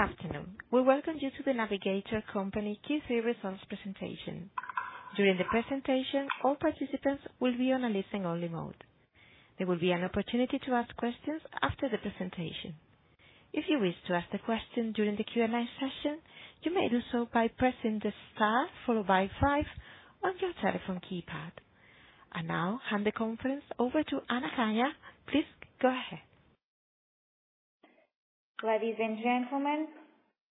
Good afternoon. We welcome you to The Navigator Company Q3 results presentation. During the presentation, all participants will be on a listen only mode. There will be an opportunity to ask questions after the presentation. If you wish to ask the question during the Q&A session, you may do so by pressing the star followed by five on your telephone keypad. I now hand the conference over to Ana Faria. Please go ahead. Ladies and gentlemen,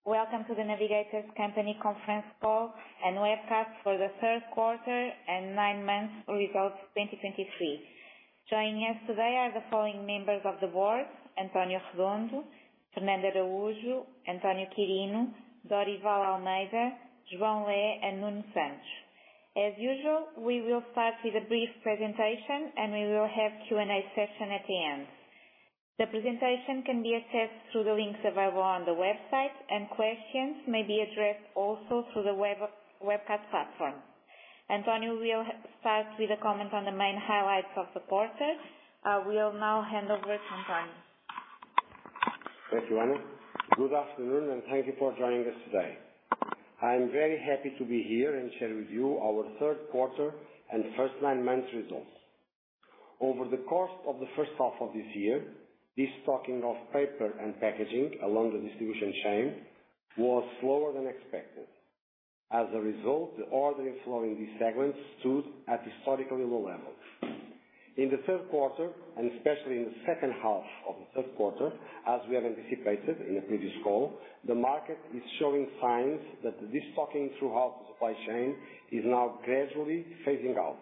welcome to The Navigator Company's conference call and webcast for the third quarter and nine months results 2023. Joining us today are the following members of the board: António Redondo, Fernando Araújo, António Quirino, Dorival Almeida, João Lé, and Nuno Santos. As usual, we will start with a brief presentation and we will have Q&A session at the end. The presentation can be accessed through the links available on the website, and questions may be addressed also through the web, webcast platform. António will start with a comment on the main highlights of the quarter. I will now hand over to António. Thank you, Ana. Good afternoon, and thank you for joining us today. I am very happy to be here and share with you our third quarter and first nine months results. Over the course of the first half of this year, the stocking of paper and packaging along the distribution chain was slower than expected. As a result, the order inflow in these segments stood at historically low levels. In the third quarter, and especially in the second half of the third quarter, as we have anticipated in a previous call, the market is showing signs that the de-stocking throughout the supply chain is now gradually phasing out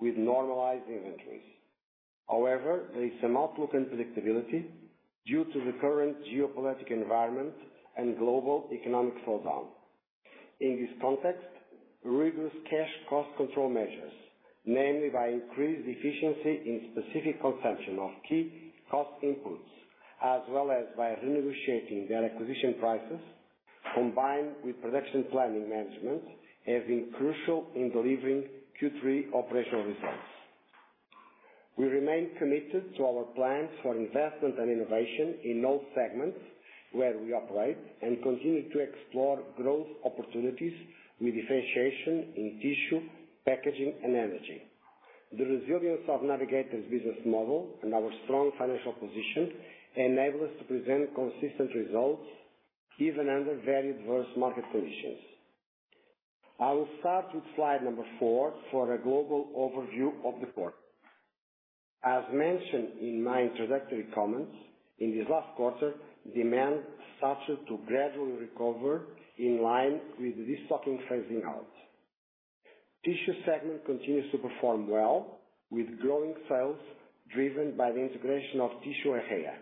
with normalized inventories. However, there is some outlook and predictability due to the current geopolitical environment and global economic slowdown. In this context, rigorous cash cost control measures, namely by increased efficiency in specific consumption of key cost inputs, as well as by renegotiating their acquisition prices, combined with production planning management, have been crucial in delivering Q3 operational results. We remain committed to our plans for investment and innovation in all segments where we operate, and continue to explore growth opportunities with differentiation in tissue, packaging, and energy. The resilience of Navigator's business model and our strong financial position enable us to present consistent results, even under very adverse market conditions. I will start with slide number 4 for a global overview of the quarter. As mentioned in my introductory comments, in this last quarter, demand started to gradually recover in line with the de-stocking phasing out. Tissue segment continues to perform well, with growing sales driven by the integration of Tissue Ejea,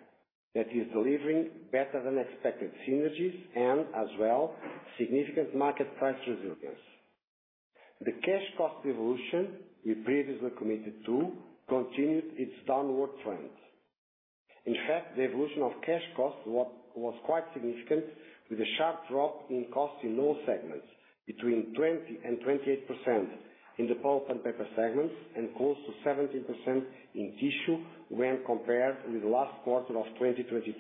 that is delivering better than expected synergies and as well, significant market price resilience. The cash cost evolution we previously committed to continued its downward trend. In fact, the evolution of cash costs was quite significant, with a sharp drop in cost in all segments between 20% and 28% in the pulp and paper segments, and close to 17% in tissue when compared with last quarter of 2022.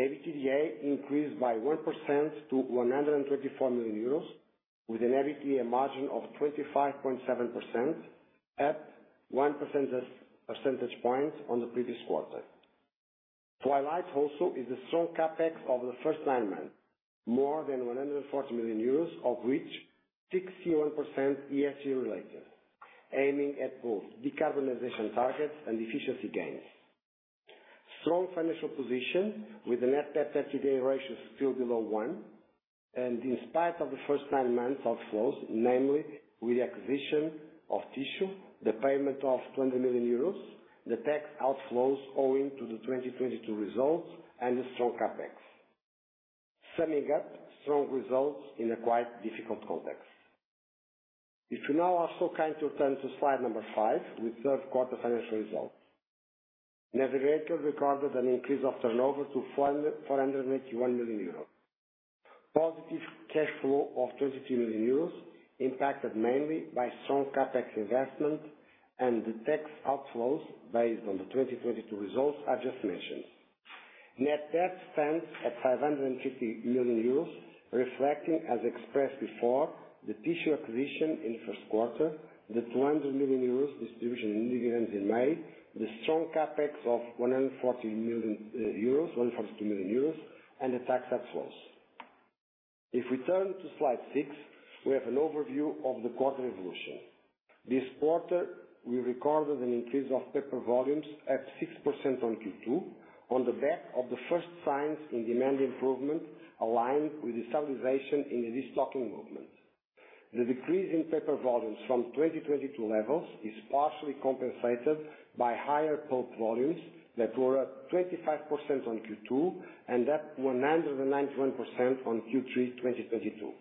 EBITDA increased by 1% to 124 million euros, with an EBITDA margin of 25.7%, at 1 percentage points on the previous quarter. To highlight also is the strong CapEx over the first nine months, more than 140 million euros, of which 61% ESG related, aiming at both decarbonization targets and efficiency gains. Strong financial position with a net debt EBITDA ratio still below one, and in spite of the first nine months outflows, namely with the acquisition of Tissue, the payment of 20 million euros, the tax outflows owing to the 2022 results, and the strong CapEx. Summing up strong results in a quite difficult context. If you now are so kind to turn to slide number 5, with third quarter financial results. Navigator recorded an increase of turnover to 481 million euros. Positive cash flow of 22 million euros, impacted mainly by strong CapEx investment and the tax outflows based on the 2022 results I just mentioned. Net debt stands at 550 million euros, reflecting, as expressed before, the Tissue acquisition in first quarter, the 200 million euros distribution in dividends in May, the strong CapEx of 140 million euros, 150 million euros, and the tax outflows. If we turn to slide 6, we have an overview of the quarter evolution. This quarter, we recorded an increase of paper volumes at 6% on Q2, on the back of the first signs in demand improvement, aligned with the stabilization in the de-stocking movement. The decrease in paper volumes from 2022 levels is partially compensated by higher pulp volumes that were up 25% on Q2 and up 191% on Q3 2022.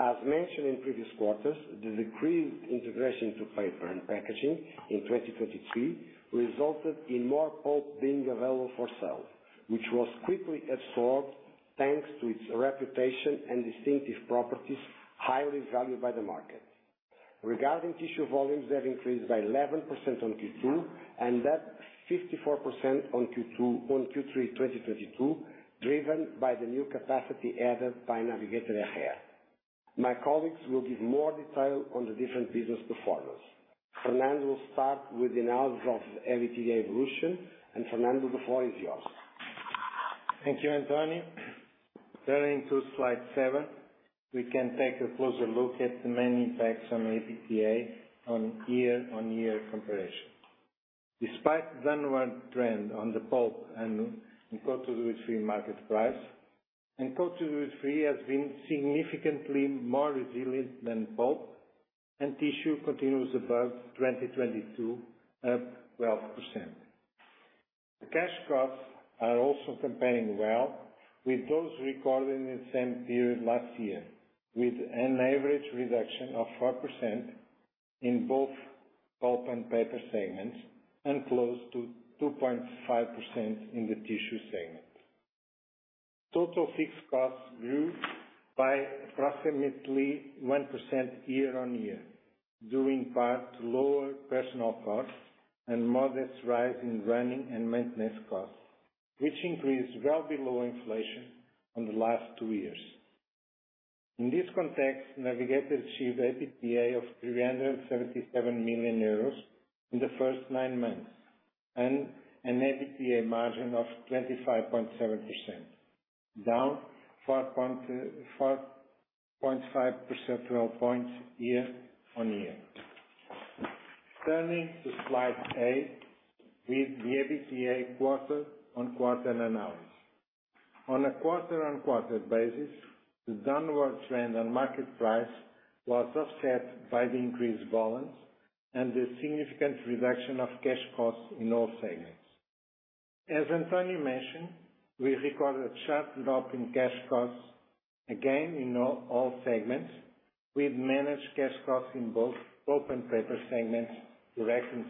As mentioned in previous quarters, the decreased integration to paper and packaging in 2023 resulted in more pulp being available for sale, which was quickly absorbed, thanks to its reputation and distinctive properties, highly valued by the market. Regarding tissue volumes, they have increased by 11% on Q2, and that's 54% on Q2- on Q3, 2022, driven by the new capacity added by Navigator Ejea. My colleagues will give more detail on the different business performance. Fernando will start with the analysis of the EBITDA evolution, and Fernando Defoi, it's yours. Thank you, Antonio. Turning to slide 7, we can take a closer look at the main impacts on EBITDA year-on-year comparison. Despite the downward trend in the pulp and in coated woodfree market price, and coated woodfree has been significantly more resilient than pulp, and tissue continues above 2022, up 12%. The cash costs are also comparing well with those recorded in the same period last year, with an average reduction of 4% in both pulp and paper segments, and close to 2.5% in the tissue segment. Total fixed costs grew by approximately 1% year-on-year, due in part to lower personnel costs and modest rise in running and maintenance costs, which increased well below inflation over the last two years. In this context, Navigator achieved EBITDA of 377 million euros in the first nine months, and an EBITDA margin of 25.7%, down 4.5 percentage points year-on-year. Turning to slide 8, with the EBITDA quarter-on-quarter analysis. On a quarter-on-quarter basis, the downward trend on market price was offset by the increased volumes and the significant reduction of cash costs in all segments. As Antonio mentioned, we recorded a sharp drop in cash costs, again, in all segments, with managed cash costs in both pulp and paper segments declining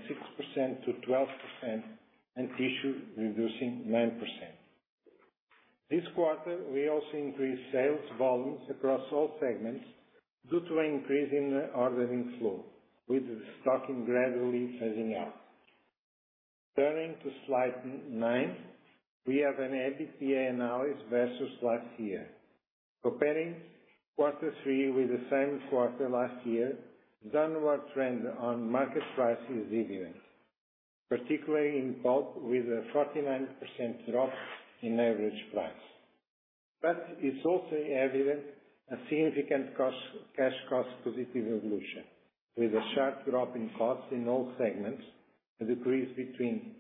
6%-12%, and tissue reducing 9%. This quarter, we also increased sales volumes across all segments due to an increase in the ordering flow, with the de-stocking gradually phasing out. Turning to slide 9, we have an EBITDA analysis versus last year. Comparing quarter three with the same quarter last year, downward trend on market price is evident, particularly in pulp, with a 49% drop in average price. But it's also evident a significant cash cost positive evolution, with a sharp drop in costs in all segments, a decrease between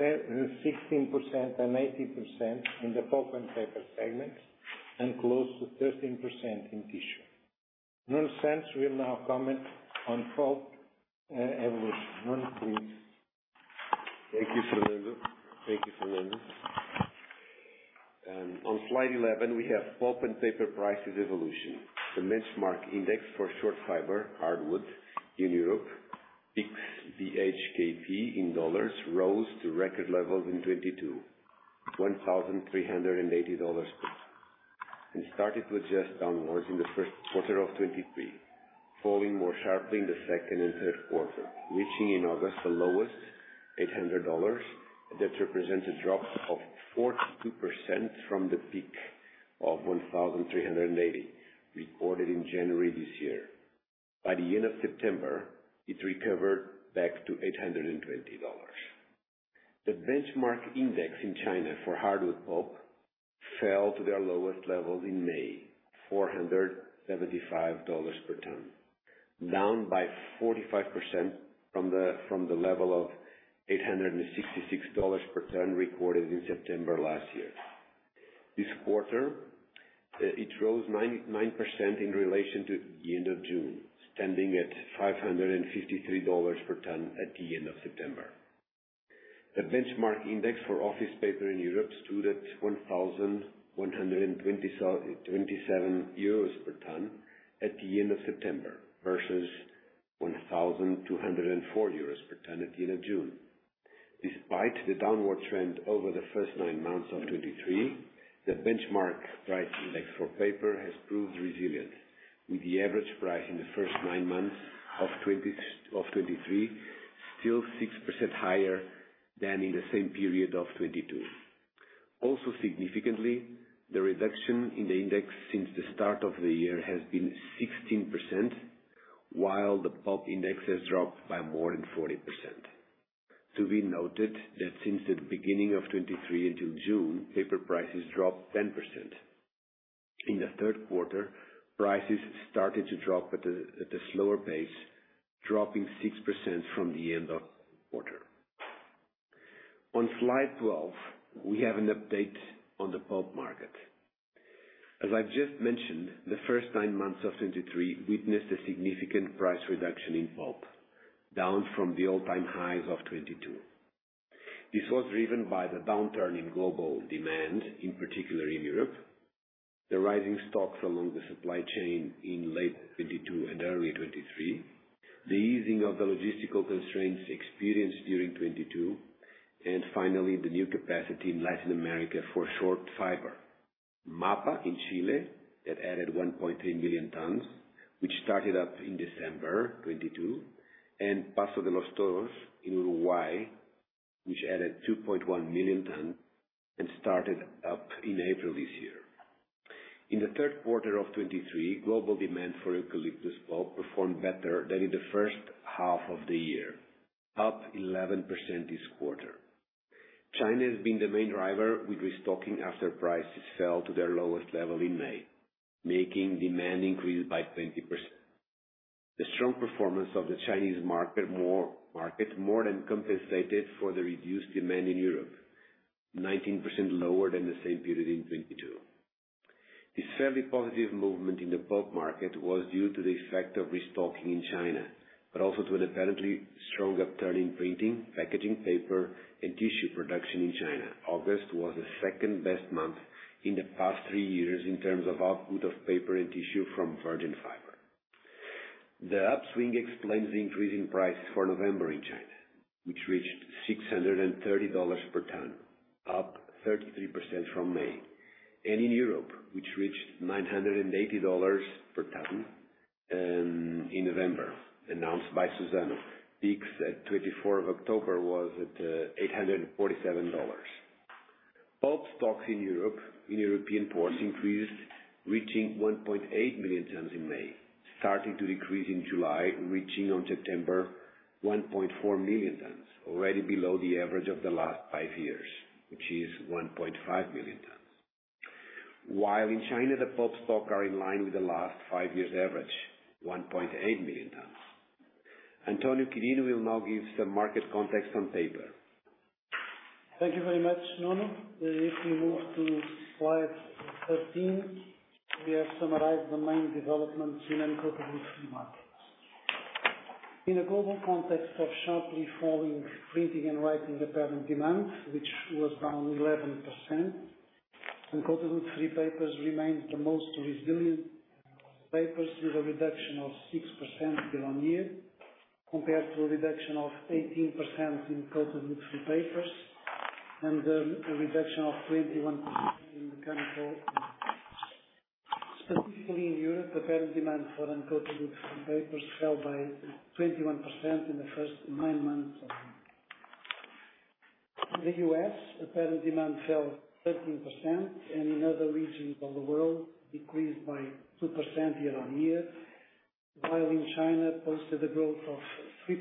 16% and 18% in the pulp and paper segments, and close to 13% in tissue. Nuno Santos will now comment on pulp evolution. Nuno, please. Thank you, Fernando. Thank you, Fernando. On slide 11, we have pulp and paper prices evolution. The benchmark index for short fiber hardwood in Europe, PIX BHKP in dollars, rose to record levels in 2022, $1,380, and started to adjust downwards in the first quarter of 2023, falling more sharply in the second and third quarter, reaching in August the lowest $800. That represents a drop of 42% from the peak of $1,380, recorded in January this year. By the end of September, it recovered back to $820. The benchmark index in China for hardwood pulp fell to their lowest levels in May, $475 per ton, down by 45% from the level of $866 per ton, recorded in September last year. This quarter, it rose 9% in relation to the end of June, standing at $553 per ton at the end of September. The benchmark index for office paper in Europe stood at 1,127 euros per ton at the end of September, versus 1,204 euros per ton at the end of June. Despite the downward trend over the first nine months of 2023, the benchmark price index for paper has proved resilient, with the average price in the first nine months of 2023 still 6% higher than in the same period of 2022. Also significantly, the reduction in the index since the start of the year has been 16%, while the pulp index has dropped by more than 40%. To be noted that since the beginning of 2023 until June, paper prices dropped 10%. In the third quarter, prices started to drop at a slower pace, dropping 6% from the end of quarter. On slide 12, we have an update on the pulp market. As I've just mentioned, the first nine months of 2023 witnessed a significant price reduction in pulp, down from the all-time highs of 2022. This was driven by the downturn in global demand, in particular in Europe, the rising stocks along the supply chain in late 2022 and early 2023, the easing of the logistical constraints experienced during 2022, and finally, the new capacity in Latin America for short fiber... MAPA in Chile, that added 1.3 million tons, which started up in December 2022, and Paso de los Toros in Uruguay, which added 2.1 million ton and started up in April this year. In the third quarter of 2023, global demand for eucalyptus pulp performed better than in the first half of the year, up 11% this quarter. China has been the main driver with restocking after prices fell to their lowest level in May, making demand increase by 20%. The strong performance of the Chinese market more than compensated for the reduced demand in Europe, 19% lower than the same period in 2022. This fairly positive movement in the pulp market was due to the effect of restocking in China, but also to an apparently strong upturn in printing, packaging, paper and tissue production in China. August was the second best month in the past three years in terms of output of paper and tissue from virgin fiber. The upswing explains the increase in price for November in China, which reached $630 per ton, up 33% from May, and in Europe, which reached $980 per ton in November, announced by Suzano. PIX BHKP on the 24th of October was at $847. Pulp stocks in Europe, in European ports increased, reaching 1.8 million tons in May, starting to decrease in July, reaching on September 1.4 million tons, already below the average of the last five years, which is 1.5 million tons. While in China, the pulp stocks are in line with the last five years average, 1.8 million tons. Antonio Quirino will now give some market context on paper. Thank you very much, Nuno. If we move to slide 13, we have summarized the main developments in uncoated woodfree markets. In a global context of sharply falling printing and writing apparent demand, which was down 11%, uncoated woodfree papers remains the most resilient papers, with a reduction of 6% year-on-year, compared to a reduction of 18% in coated woodfree papers and a reduction of 21% in the chemical. Specifically in Europe, apparent demand for uncoated woodfree papers fell by 21% in the first nine months. In the U.S., apparent demand fell 13%, and in other regions of the world, decreased by 2% year-on-year. While in China, posted a growth of 3%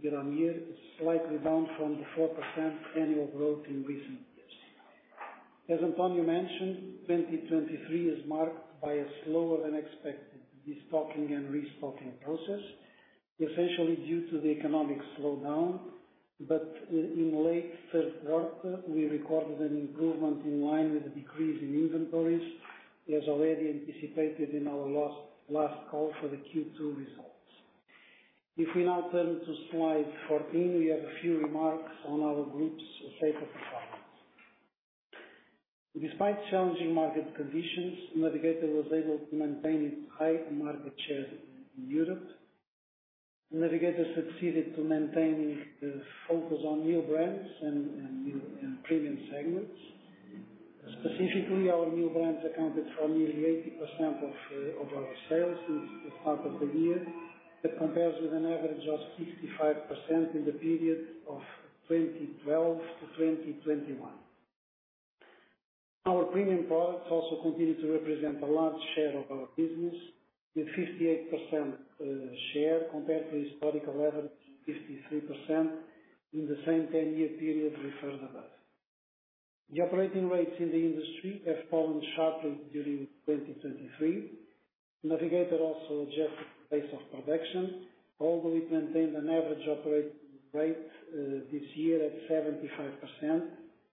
year-on-year, slightly down from the 4% annual growth in recent years. As Antonio mentioned, 2023 is marked by a slower than expected restocking process, essentially due to the economic slowdown. But in late third quarter, we recorded an improvement in line with the decrease in inventories, as already anticipated in our last call for the Q2 results. If we now turn to slide 14, we have a few remarks on our group's paper performance. Despite challenging market conditions, Navigator was able to maintain its high market share in Europe. Navigator succeeded to maintaining the focus on new brands and new and premium segments. Specifically, our new brands accounted for nearly 80% of our sales since the start of the year. That compares with an average of 65% in the period of 2012 to 2021. Our premium products also continue to represent a large share of our business, with 58% share, compared to historical average, 53%, in the same 10-year period referred above. The operating rates in the industry have fallen sharply during 2023. Navigator also adjusted pace of production, although it maintained an average operate rate this year at 75%,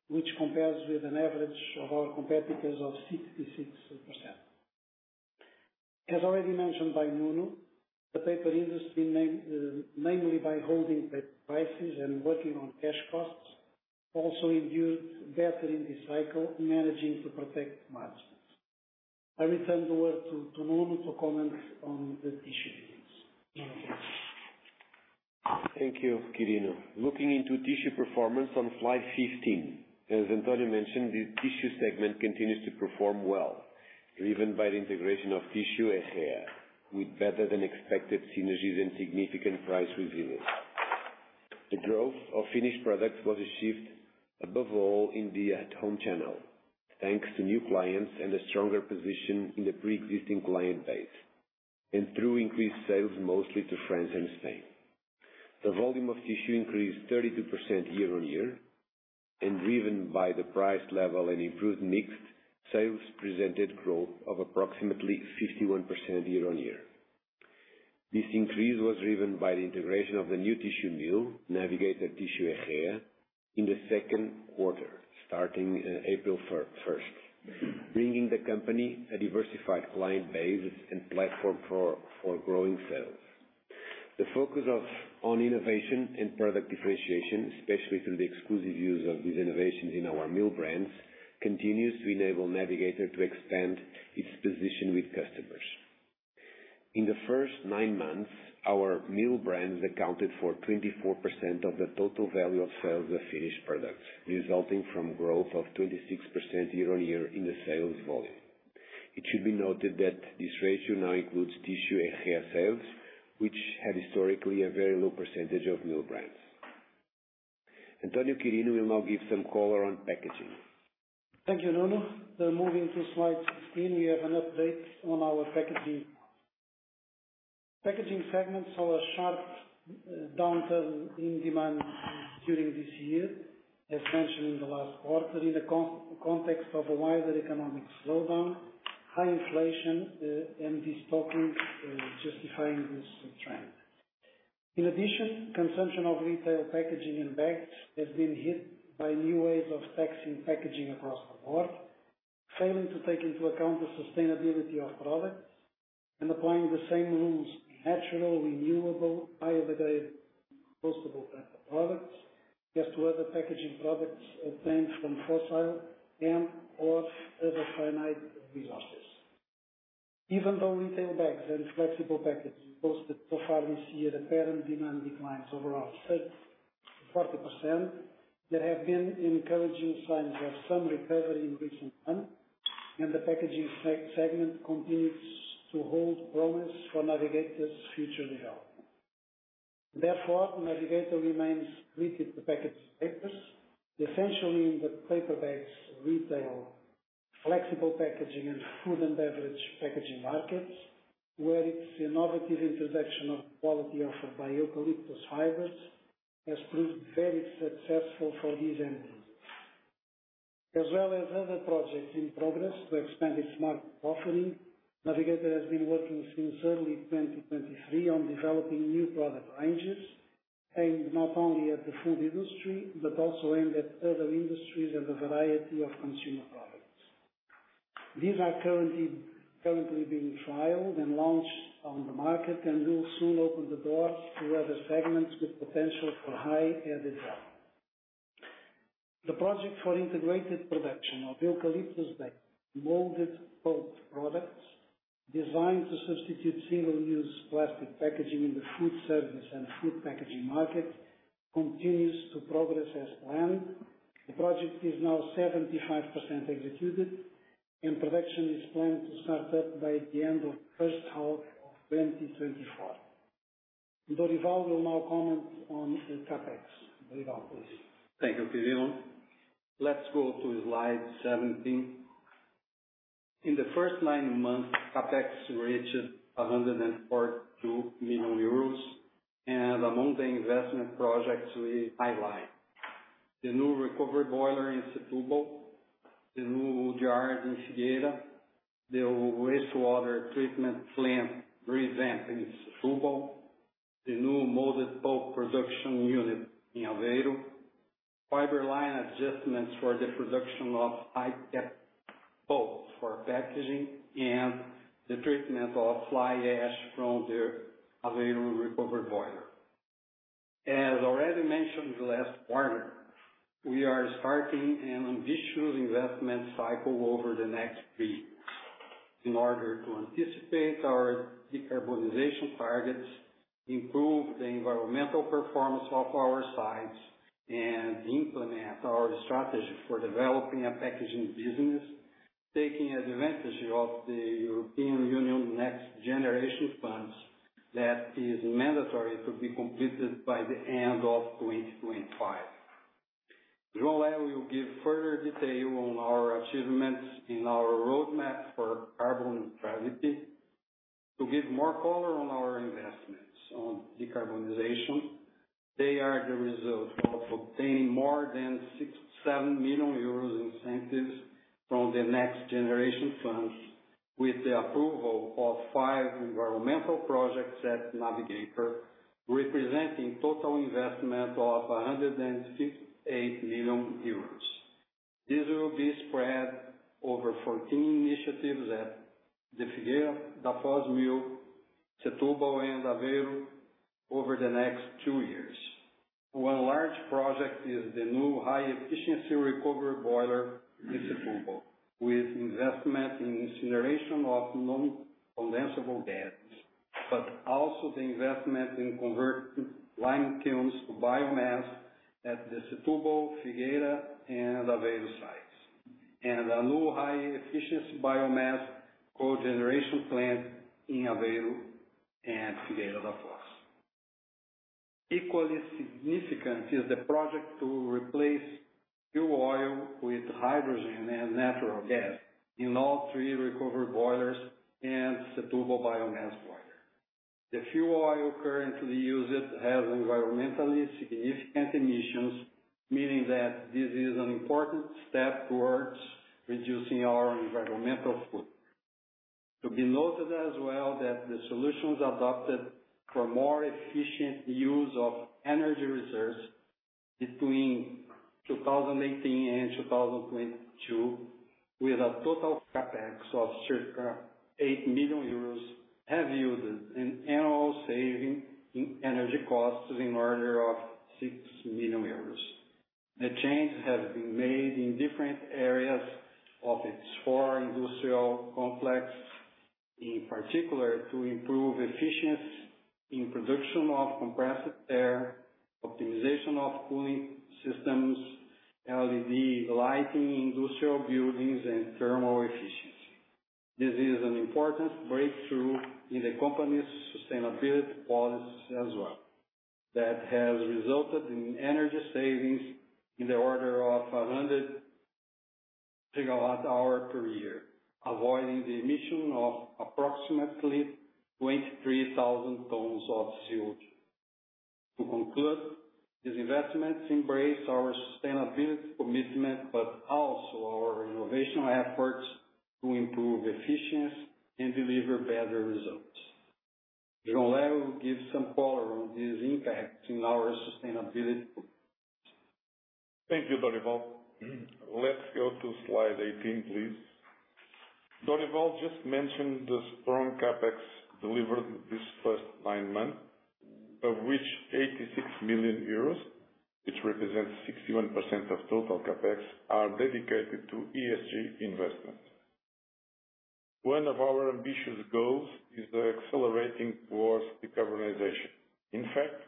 which compares with an average of our competitors of 66%. As already mentioned by Nuno, the paper industry, namely, mainly by holding prices and working on cash costs, also endured better in this cycle, managing to protect margins. I return the word to Nuno to comment on the tissue business. Thank you, Quirino. Looking into tissue performance on slide 15. As António mentioned, the tissue segment continues to perform well, driven by the integration of Tissue Ejea, with better than expected synergies and significant price resilience. The growth of finished products was achieved above all in the at-home channel, thanks to new clients and a stronger position in the pre-existing client base, and through increased sales, mostly to France and Spain. The volume of tissue increased 32% year-on-year, and driven by the price level and improved mix, sales presented growth of approximately 51% year-on-year. This increase was driven by the integration of the new tissue mill, Navigator Tissue Ejea, in the second quarter, starting April first, bringing the company a diversified client base and platform for growing sales. The focus on innovation and product differentiation, especially through the exclusive use of these innovations in our mill brands, continues to enable Navigator to extend its position with customers. In the first nine months, our mill brands accounted for 24% of the total value of sales of finished products, resulting from growth of 26% year-on-year in the sales volume. It should be noted that this ratio now includes tissue and paper sales, which had historically a very low percentage of mill brands. António Quirino will now give some color on packaging. Thank you, Nuno. Then moving to slide 16, we have an update on our packaging. Packaging segment saw a sharp downturn in demand during this year, as mentioned in the last quarter, in the context of a wider economic slowdown, high inflation, and destocking, justifying this trend. In addition, consumption of retail packaging in bags has been hit by new ways of taxing packaging across the board, failing to take into account the sustainability of products and applying the same rules, natural, renewable, biodegradable, possible types of products, as to other packaging products obtained from fossil and/or other finite resources. Even though retail bags and flexible packets posted so far this year, apparent demand declines overall, 30%-40%, there have been encouraging signs of some recovery in recent months, and the packaging segment continues to hold promise for Navigator's future development. Therefore, Navigator remains committed to packaged papers, essentially in the paper bags, retail, flexible packaging, and food and beverage packaging markets, where its innovative introduction of quality offered by eucalyptus fibers has proved very successful for these ends. As well as other projects in progress to expand its market offering, Navigator has been working since early 2023 on developing new product ranges, aimed not only at the food industry, but also aimed at other industries and a variety of consumer products. These are currently being trialed and launched on the market, and will soon open the door to other segments with potential for high added value. The project for integrated production of eucalyptus bag, molded pulp products, designed to substitute single-use plastic packaging in the food service and food packaging market, continues to progress as planned. The project is now 75% executed, and production is planned to start up by the end of first half of 2024. Dorival will now comment on the CapEx. Dorival, please. Thank you, Quirino. Let's go to slide 17. In the first nine months, CapEx reached 142 million euros, and among the investment projects, we highlight the new recovery boiler in Setúbal, the new GR in Figueira, the wastewater treatment plant re-expand in Setúbal, the new molded pulp production unit in Aveiro, fiber line adjustments for the production of high-tech pulp for packaging, and the treatment of fly ash from the Aveiro recovery boiler. As already mentioned last quarter, we are starting an ambitious investment cycle over the next three years in order to anticipate our decarbonization targets, improve the environmental performance of our sites, and implement our strategy for developing a packaging business, taking advantage of the European Union's Next Generation EU funds that is mandatory to be completed by the end of 2025. João Lé will give further detail on our achievements in our roadmap for carbon neutrality. To give more color on our investments on decarbonization, they are the result of obtaining more than 67 million euros incentives from the next generation funds, with the approval of five environmental projects at Navigator, representing total investment of 158 million euros. This will be spread over 14 initiatives at the Figueira da Foz Mill, Setúbal, and Aveiro over the next two years. One large project is the new high efficiency recovery boiler in Setúbal, with investment in incineration of non-condensable gas, but also the investment in converting lime kilns to biomass at the Setúbal, Figueira da Foz, and Aveiro sites, and a new high efficiency biomass cogeneration plant in Aveiro and Figueira da Foz. Equally significant is the project to replace fuel oil with hydrogen and natural gas in all three recovery boilers and Setúbal biomass boiler. The fuel oil currently used has environmentally significant emissions, meaning that this is an important step towards reducing our environmental footprint. To be noted as well, that the solutions adopted for more efficient use of energy reserves between 2018 and 2022, with a total CapEx of circa 8 million euros, have yielded an annual in energy costs in order of 6 million euros. The changes have been made in different areas of its four industrial complexes, in particular, to improve efficiency in production of compressed air, optimization of cooling systems, LED lighting, industrial buildings and thermal efficiency. This is an important breakthrough in the company's sustainability policy as well, that has resulted in energy savings in the order of 100 GWh per year, avoiding the emission of approximately 23,000 tons of CO2. To conclude, these investments embrace our sustainability commitment, but also our innovation efforts to improve efficiency and deliver better results. João Lé will give some color on this impact in our sustainability. Thank you, Dorival. Let's go to slide 18, please. Dorival just mentioned the strong CapEx delivered this first nine months, of which 86 million euros, which represents 61% of total CapEx, are dedicated to ESG investments. One of our ambitious goals is accelerating towards decarbonization. In fact,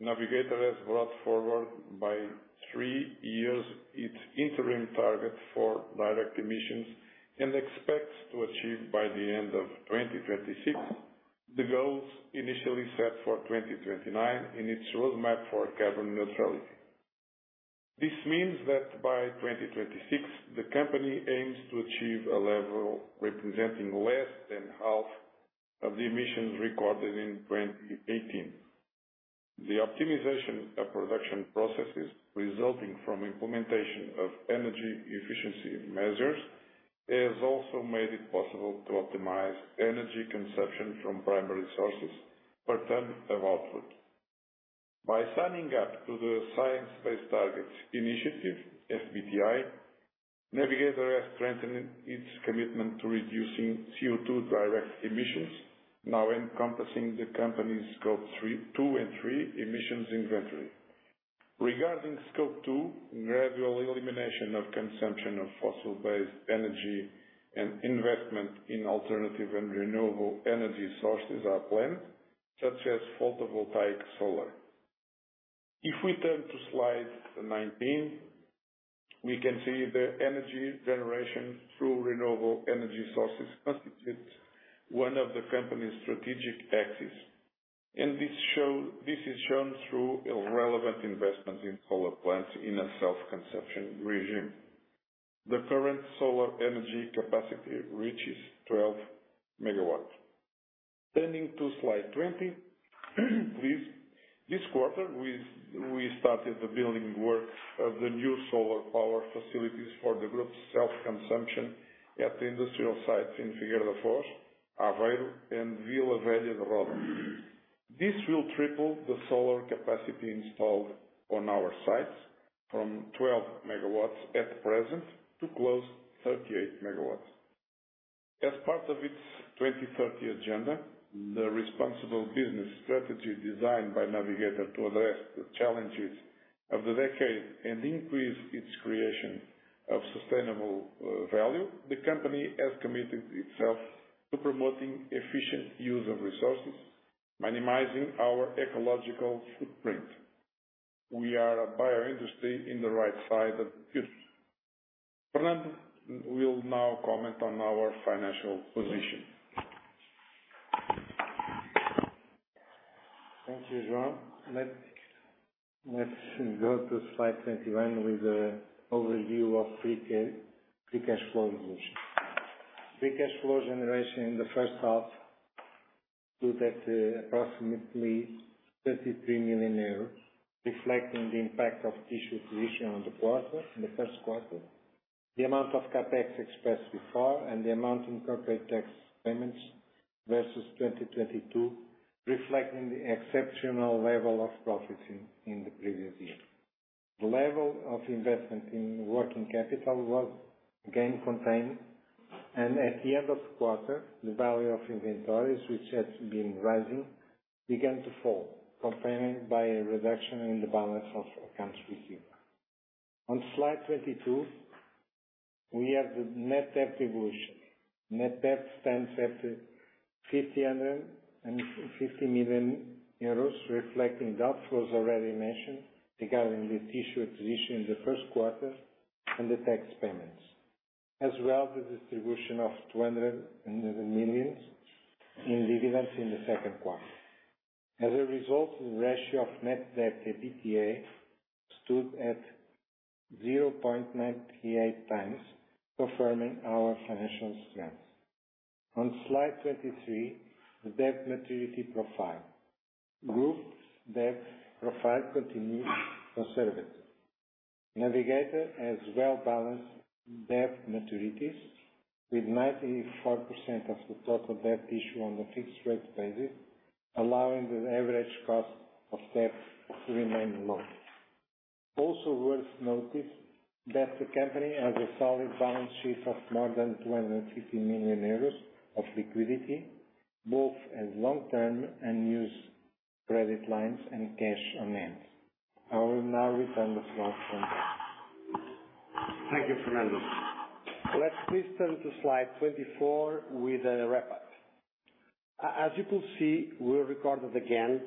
Navigator has brought forward by three years its interim target for direct emissions, and expects to achieve by the end of 2026, the goals initially set for 2029 in its roadmap for carbon neutrality. This means that by 2026, the company aims to achieve a level representing less than half of the emissions recorded in 2018. The optimization of production processes resulting from implementation of energy efficiency measures, has also made it possible to optimize energy consumption from primary sources per ton of output. By signing up to the Science-Based Targets initiative, SBTi, Navigator has strengthened its commitment to reducing CO2 direct emissions, now encompassing the company's scope 3, 2 and 3 emissions inventory. Regarding scope 2, gradual elimination of consumption of fossil-based energy and investment in alternative and renewable energy sources are planned, such as photovoltaic solar. If we turn to slide 19, we can see the energy generation through renewable energy sources constitutes one of the company's strategic axes. And this, this is shown through a relevant investment in solar plants in a self-consumption regime. The current solar energy capacity reaches 12 MW. Turning to slide 20, please. This quarter, we started the building work of the new solar power facilities for the group's self-consumption at the industrial sites in Figueira da Foz, Aveiro and Vila Nova de Gaia. This will triple the solar capacity installed on our sites from 12 MW at present to close 38 MW. As part of its 2030 agenda, the responsible business strategy designed by Navigator to address the challenges of the decade and increase its creation of sustainable value, the company has committed itself to promoting efficient use of resources, minimizing our ecological footprint. We are a bio industry in the right side of future. Fernando will now comment on our financial position. Thank you, João. Let's go to slide 21 with the overview of free cash flow generation. Free cash flow generation in the first half stood at approximately 33 million euros, reflecting the impact of tissue acquisition in the first quarter. The amount of CapEx expressed before and the amount in corporate tax payments versus 2022, reflecting the exceptional level of profits in the previous year. The level of investment in working capital was again contained, and at the end of quarter, the value of inventories, which had been rising, began to fall, confirming by a reduction in the balance of accounts receivable. On slide 22, we have the net debt evolution. Net debt stands at 550 million euros, reflecting that was already mentioned regarding the tissue acquisition in the first quarter and the tax payments, as well as the distribution of 200 million in dividends in the second quarter. As a result, the ratio of net debt to EBITDA stood at 0.98 times, confirming our financial strength. On slide 23, the debt maturity profile. Group's debt profile continues conservative. Navigator has well-balanced debt maturities, with 94% of the total debt issued on a fixed rate basis, allowing the average cost of debt to remain low... Also worth notice that the company has a solid balance sheet of more than 250 million euros of liquidity, both as long-term and use credit lines and cash on hand. I will now return the floor to António. Thank you, Fernando. Let's please turn to slide 24 with a wrap-up. As you can see, we recorded again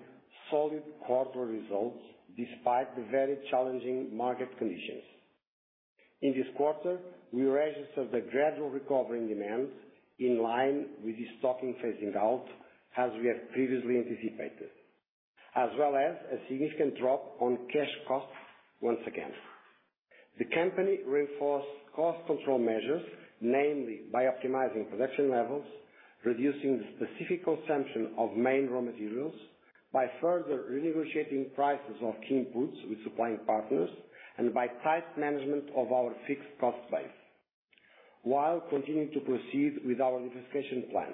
solid quarterly results despite the very challenging market conditions. In this quarter, we registered the gradual recovery in demands in line with the stocking phasing out, as we have previously anticipated, as well as a significant drop on cash costs once again. The company reinforced cost control measures, namely by optimizing production levels, reducing the specific consumption of main raw materials, by further renegotiating prices of key inputs with supplying partners, and by tight management of our fixed cost base, while continuing to proceed with our diversification plan.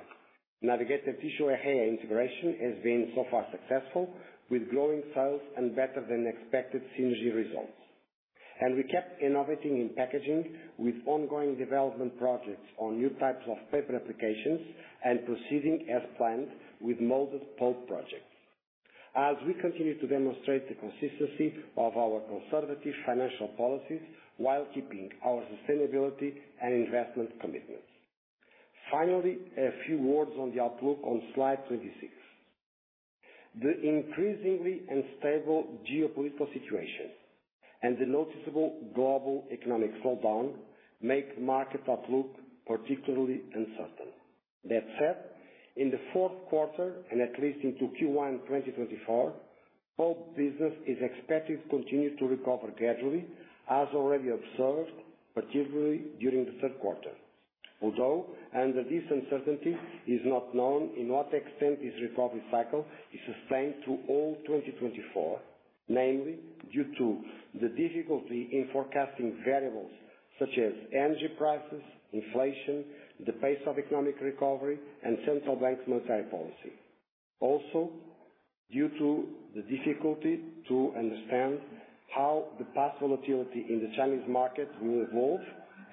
Navigator Tissue integration has been so far successful, with growing sales and better than expected synergy results. We kept innovating in packaging with ongoing development projects on new types of paper applications and proceeding as planned with molded pulp projects. As we continue to demonstrate the consistency of our conservative financial policies while keeping our sustainability and investment commitments. Finally, a few words on the outlook on slide 26. The increasingly unstable geopolitical situation and the noticeable global economic slowdown make market outlook particularly uncertain. That said, in the fourth quarter and at least into Q1 2024, pulp business is expected to continue to recover gradually, as already observed, particularly during the third quarter. Although, under this uncertainty is not known in what extent this recovery cycle is sustained through all 2024, namely due to the difficulty in forecasting variables such as energy prices, inflation, the pace of economic recovery, and central bank monetary policy. Also, due to the difficulty to understand how the past volatility in the Chinese market will evolve,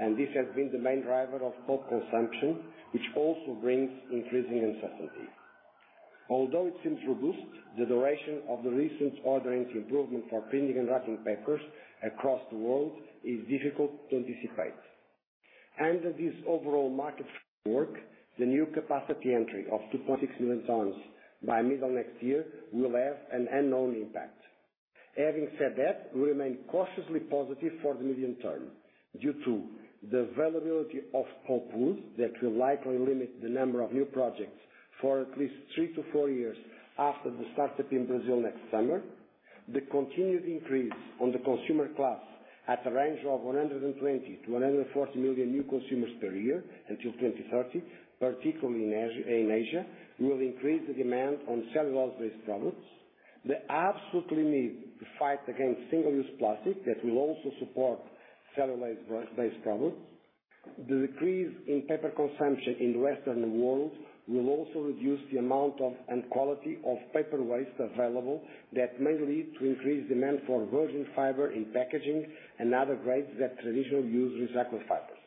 and this has been the main driver of pulp consumption, which also brings increasing uncertainty. Although it seems reduced, the duration of the recent order improvements for printing and writing papers across the world is difficult to anticipate. Under this overall market framework, the new capacity entry of 2.6 million tons by middle next year will have an unknown impact. Having said that, we remain cautiously positive for the medium term due to the availability of pulp woods, that will likely limit the number of new projects for at least three-four years after the startup in Brazil next summer. The continued increase on the consumer class at a range of 120-140 million new consumers per year until 2030, particularly in Asia, will increase the demand on cellulose-based products. The absolute need to fight against single-use plastic that will also support cellulose-based products. The decrease in paper consumption in the Western world will also reduce the amount of and quality of paper waste available that may lead to increased demand for virgin fiber in packaging and other grades that traditionally use recycled fibers.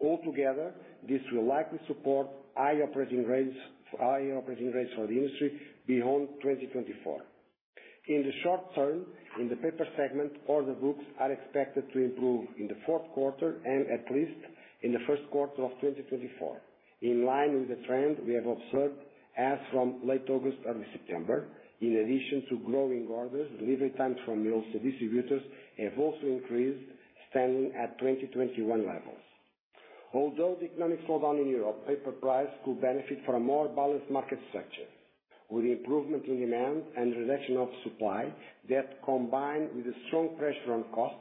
Altogether, this will likely support high operating rates, high operating rates for the industry beyond 2024. In the short term, in the paper segment, order books are expected to improve in the fourth quarter and at least in the first quarter of 2024. In line with the trend we have observed as from late August, early September, in addition to growing orders, delivery times from mills to distributors have also increased, standing at 2021 levels. Although the economic slowdown in Europe, paper prices could benefit from a more balanced market structure, with improvement in demand and reduction of supply, that, combined with the strong pressure on costs,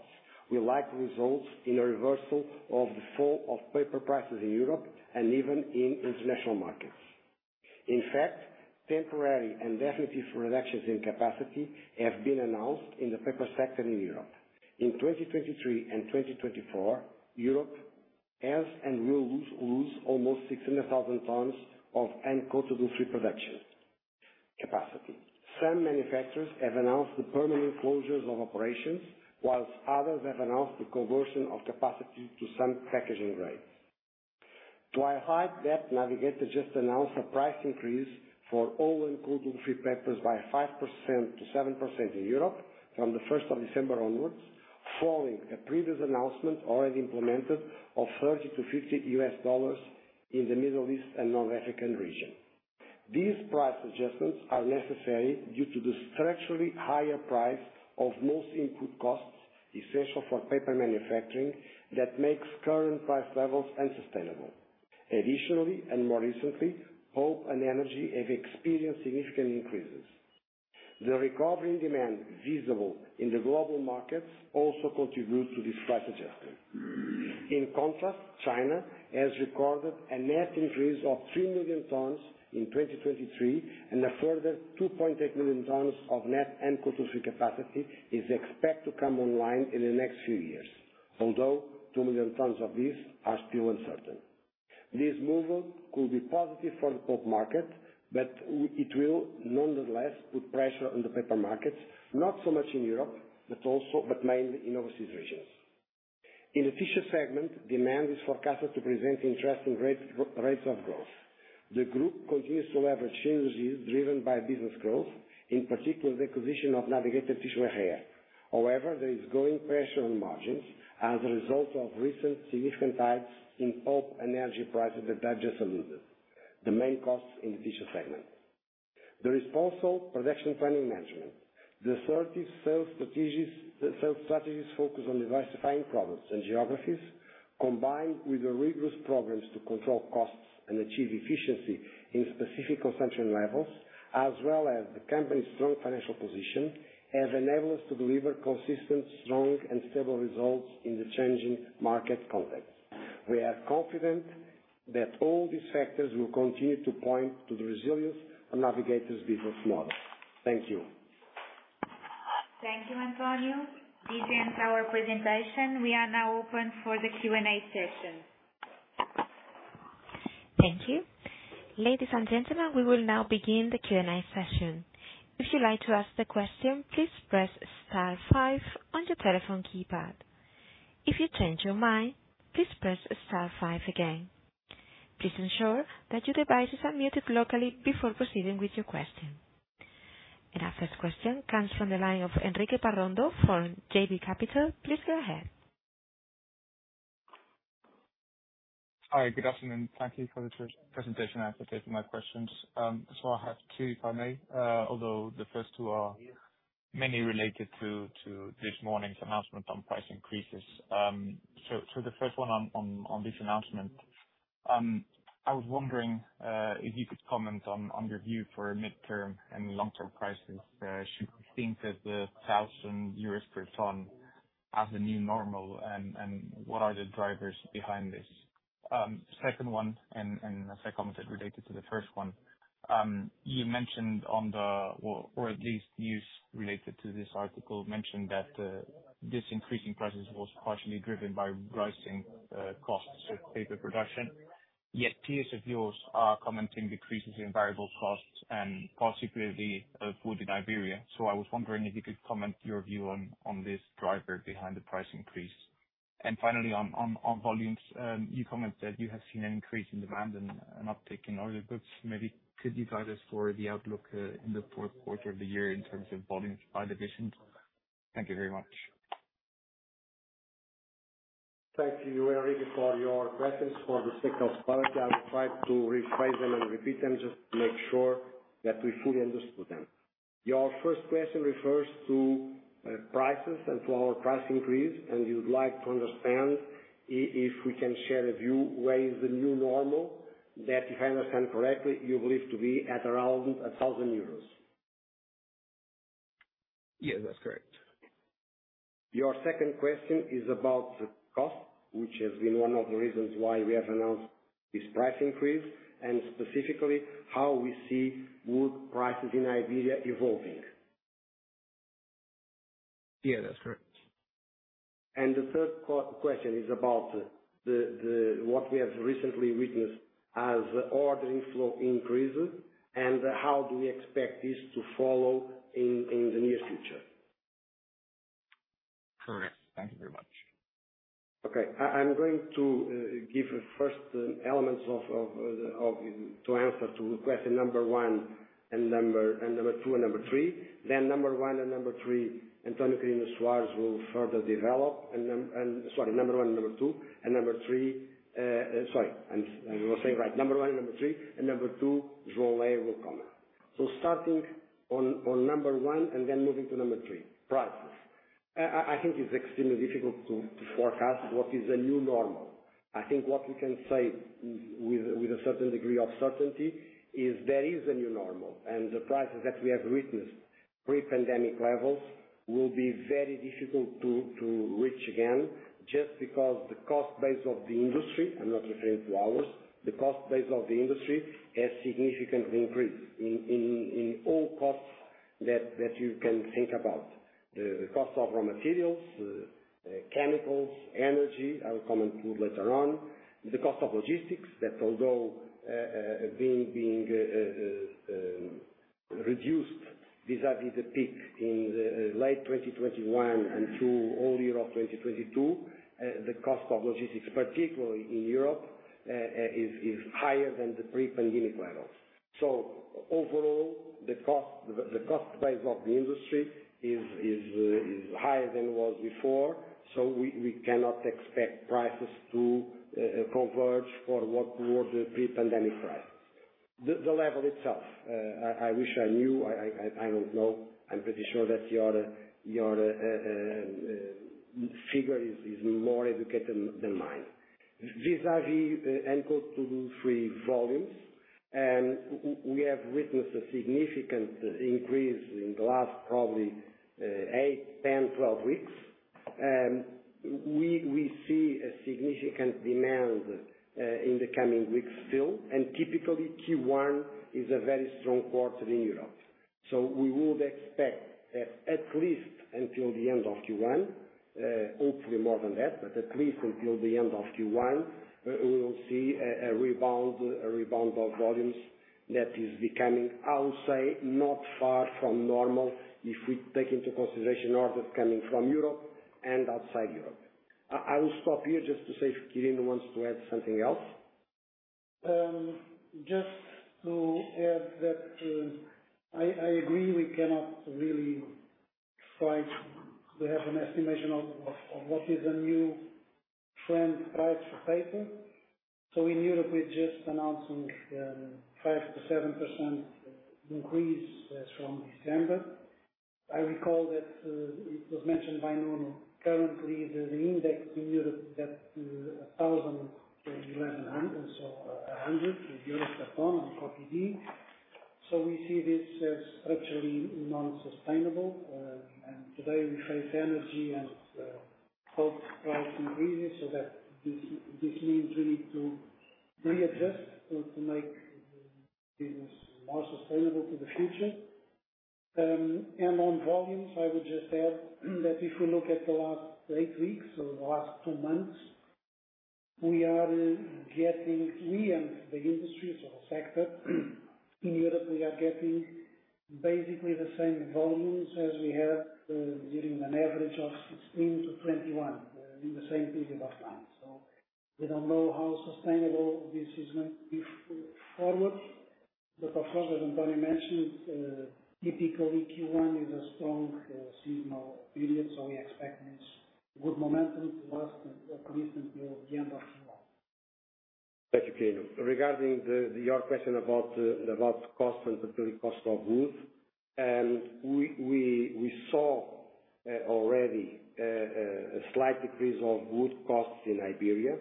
will likely result in a reversal of the fall of paper prices in Europe and even in international markets. In fact, temporary and definitive reductions in capacity have been announced in the paper sector in Europe. In 2023 and 2024, Europe has and will lose almost 600,000 tons of uncoated woodfree production capacity. Some manufacturers have announced the permanent closures of operations, while others have announced the conversion of capacity to some packaging grade. To highlight that, Navigator just announced a price increase for all uncoated woodfree papers by 5%-7% in Europe from the first of December onwards, following a previous announcement already implemented of $30-$50 in the Middle East and North Africa region. These price adjustments are necessary due to the structurally higher price of most input costs, essential for paper manufacturing, that makes current price levels unsustainable. Additionally, and more recently, pulp and energy have experienced significant increases. The recovery in demand visible in the global markets also contribute to this price adjustment. In contrast, China has recorded a net increase of 3 million tons in 2023, and a further 2.8 million tons of net new capacity is expected to come online in the next few years, although 2 million tons of this are still uncertain. This movement could be positive for the pulp market, but it will nonetheless put pressure on the paper markets, not so much in Europe, but also, but mainly in overseas regions. In the tissue segment, demand is forecasted to present interesting rates of growth. The group continues to leverage synergies driven by business growth, in particular, the acquisition of Navigator Tissue Ejea. However, there is growing pressure on margins as a result of recent significant spikes in pulp and energy prices that I just alluded to, the main costs in the tissue segment. There is also production planning management. The assertive sales strategies, sales strategies focused on diversifying products and geographies, combined with the rigorous programs to control costs and achieve efficiency in specific consumption levels, as well as the company's strong financial position, have enabled us to deliver consistent, strong, and stable results in the changing market context. We are confident that all these factors will continue to point to the resilience of Navigator's business model. Thank you. Thank you, Antonio. This ends our presentation. We are now open for the Q&A session. Thank you. Ladies and gentlemen, we will now begin the Q&A session. If you'd like to ask the question, please press star five on your telephone keypad. If you change your mind, please press star five again. Please ensure that your devices are muted locally before proceeding with your question. Our first question comes from the line of Enrique Parrondo from JB Capital. Please go ahead. Hi, good afternoon. Thank you for the presentation and for taking my questions. So I have two, if I may. Although the first two are mainly related to this morning's announcement on price increases. So the first one on this announcement, I was wondering if you could comment on your view for midterm and long-term prices. Should we think that 1,000 euros per ton as the new normal, and what are the drivers behind this? Second one, and a second that related to the first one. You mentioned on the... or at least news related to this article mentioned that this increasing prices was partially driven by rising costs of paper production. Yet peers of yours are commenting decreases in variable costs and consequently wood in Iberia. So I was wondering if you could comment your view on this driver behind the price increase. And finally, on volumes, you commented you have seen an increase in demand and an uptick in order goods. Maybe could you guide us for the outlook, in the fourth quarter of the year in terms of volumes by division? Thank you very much. Thank you, Enrique, for your questions. For the sake of clarity, I will try to rephrase them and repeat them just to make sure that we fully understood them. Your first question refers to prices and to our price increase, and you'd like to understand if we can share a view, where is the new normal, that if I understand correctly, you believe to be at around 1,000 euros? Yeah, that's correct. Your second question is about the cost, which has been one of the reasons why we have announced this price increase, and specifically, how we see wood prices in Iberia evolving. Yeah, that's correct. The third question is about what we have recently witnessed as ordering flow increase, and how do we expect this to follow in the near future? Correct. Thank you very much. Okay. I'm going to give a first elements of to answer to question number one and number, and number two and number three. Then number one and number three, António Quirino Soares will further develop. And sorry, number one and number two, and number three, sorry, I will say right. Number one and number three, and number two, João Lé will comment. So starting on number one and then moving to number three, prices. I think it's extremely difficult to forecast what is a new normal. I think what we can say with a certain degree of certainty is there is a new normal, and the prices that we have witnessed, pre-pandemic levels, will be very difficult to reach again, just because the cost base of the industry, I'm not referring to ours, the cost base of the industry has significantly increased in all costs that you can think about. The cost of raw materials, chemicals, energy, I will come and include later on. The cost of logistics that although being reduced, vis-a-vis the peak in the late 2021 and through all year of 2022, the cost of logistics, particularly in Europe, is higher than the pre-pandemic levels. So overall, the cost, the cost base of the industry is higher than it was before, so we cannot expect prices to converge for what were the pre-pandemic prices. The level itself, I don't know. I'm pretty sure that your figure is more educated than mine. Vis-à-vis, and go to three volumes, and we have witnessed a significant increase in the last probably eight, 10, 12 weeks. We see a significant demand in the coming weeks still, and typically, Q1 is a very strong quarter in Europe. So we would expect that at least until the end of Q1, hopefully more than that, but at least until the end of Q1, we will see a rebound of volumes that is becoming, I'll say, not far from normal, if we take into consideration orders coming from Europe and outside Europe. I will stop here just to see if Quirino wants to add something else. Just to add that, I agree, we cannot really try to have an estimation of what is the new trend price for paper. So in Europe, we're just announcing 5%-7% increase from December. I recall that, it was mentioned by Nuno, currently, the index in Europe is at 1,000 USD, so $100 per ton in Europe on copy paper. So we see this as structurally non-sustainable, and today we face energy and pulp price increases, so that this leads really to readjust to make business more sustainable to the future. And on volumes, I would just add that if you look at the last 8 weeks or the last two months, we are getting, we and the industry, so the sector, in Europe, we are getting basically the same volumes as we had during an average of 16-21 in the same period of time. So we don't know how sustainable this is going to be forward. But of course, as António mentioned, typically Q1 is a strong seasonal period, so we expect this good momentum to last at least until the end of Q1. Thank you, Quirino. Regarding the, the, your question about the last cost and particularly cost of wood, we saw already a slight decrease of wood costs in Iberia.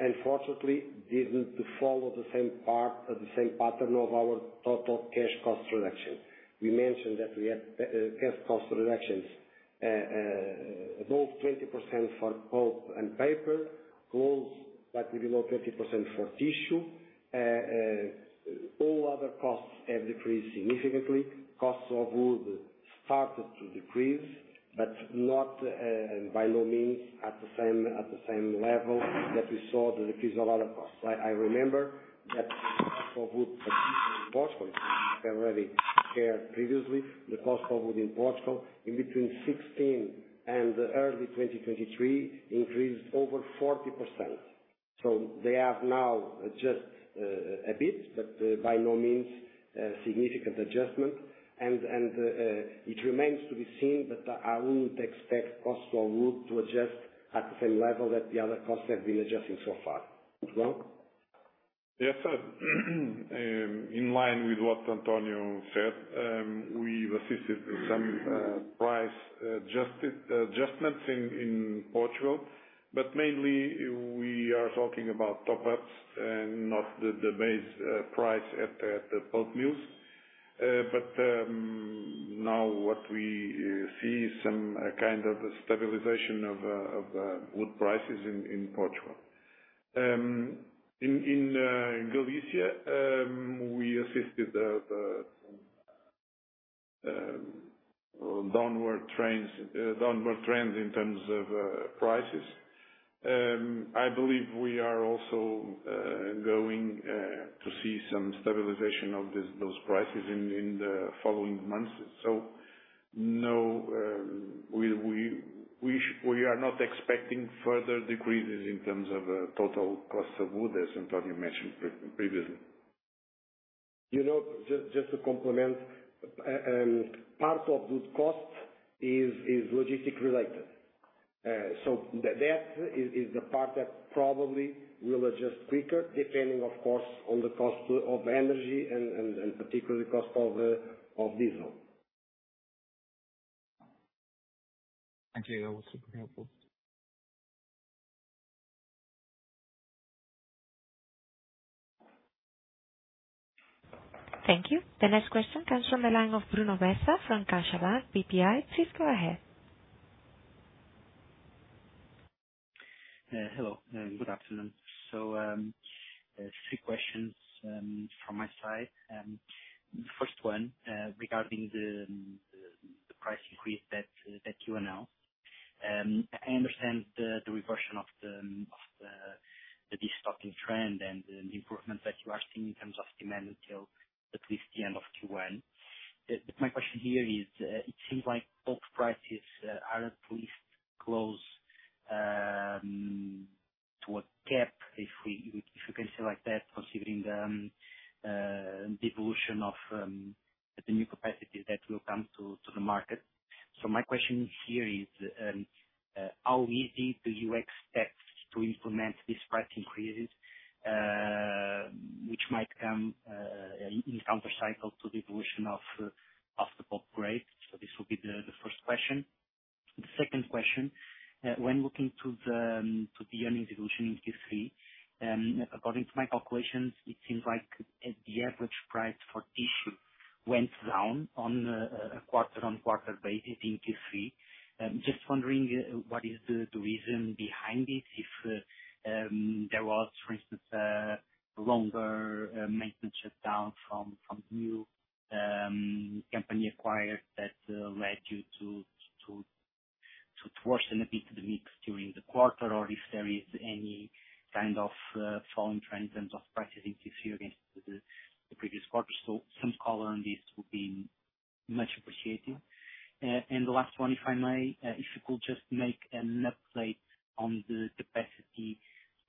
Unfortunately, didn't follow the same path, the same pattern of our total cash cost reduction. We mentioned that we had cash cost reductions above 20% for pulp and paper, close, but below 20% for tissue. All other costs have decreased significantly. Costs of wood started to decrease, but not by no means at the same, at the same level that we saw the decrease of other costs. I remember that the cost of wood in Portugal, I already shared previously, the cost of wood in Portugal, between 2016 and early 2023, increased over 40%. So they have now adjusted, a bit, but, by no means a significant adjustment. And, it remains to be seen, but I wouldn't expect cost of wood to adjust at the same level that the other costs have been adjusting so far. João? Yes, sir. In line with what Antonio said, we've assisted some price adjusted adjustments in Portugal, but mainly we are talking about top-ups and not the base price at the pulp mills. But now what we see is some kind of stabilization of wood prices in Portugal. In Galicia, we assisted the downward trends in terms of prices. I believe we are also going to see some stabilization of those prices in the following months. So no, we are not expecting further decreases in terms of total costs of wood, as Antonio mentioned previously. You know, just, just to complement, and part of wood cost is logistics related. So that is the part that probably will adjust quicker, depending, of course, on the cost of energy and particularly cost of diesel. Thank you. That was super helpful. Thank you. The next question comes from the line of Bruno Bessa from CaixaBank BPI. Please go ahead. Hello, and good afternoon. So, three questions from my side. The first one regarding the price increase that you announced. I understand the reversion of the destocking trend and the improvement that you are seeing in terms of demand until at least the end of Q1. My question here is, it seems like both prices are at least close to a cap, if we can say it like that, considering the evolution of the new capacity that will come to the market. So my question here is, how easy do you expect to implement these price increases, which might come in countercycle to the evolution of the pulp grade? So this will be the first question. The second question, when looking to the earnings evolution in Q3, according to my calculations, it seems like the average price for tissue went down on a quarter-on-quarter basis in Q3. Just wondering, what is the reason behind it, if there was, for instance, longer maintenance shutdown from new company acquired that led you to worsen a bit the mix during the quarter, or if there is any kind of falling trend in terms of prices against the previous quarter. So some color on this would be much appreciated. And the last one, if I may, if you could just make an update on the capacity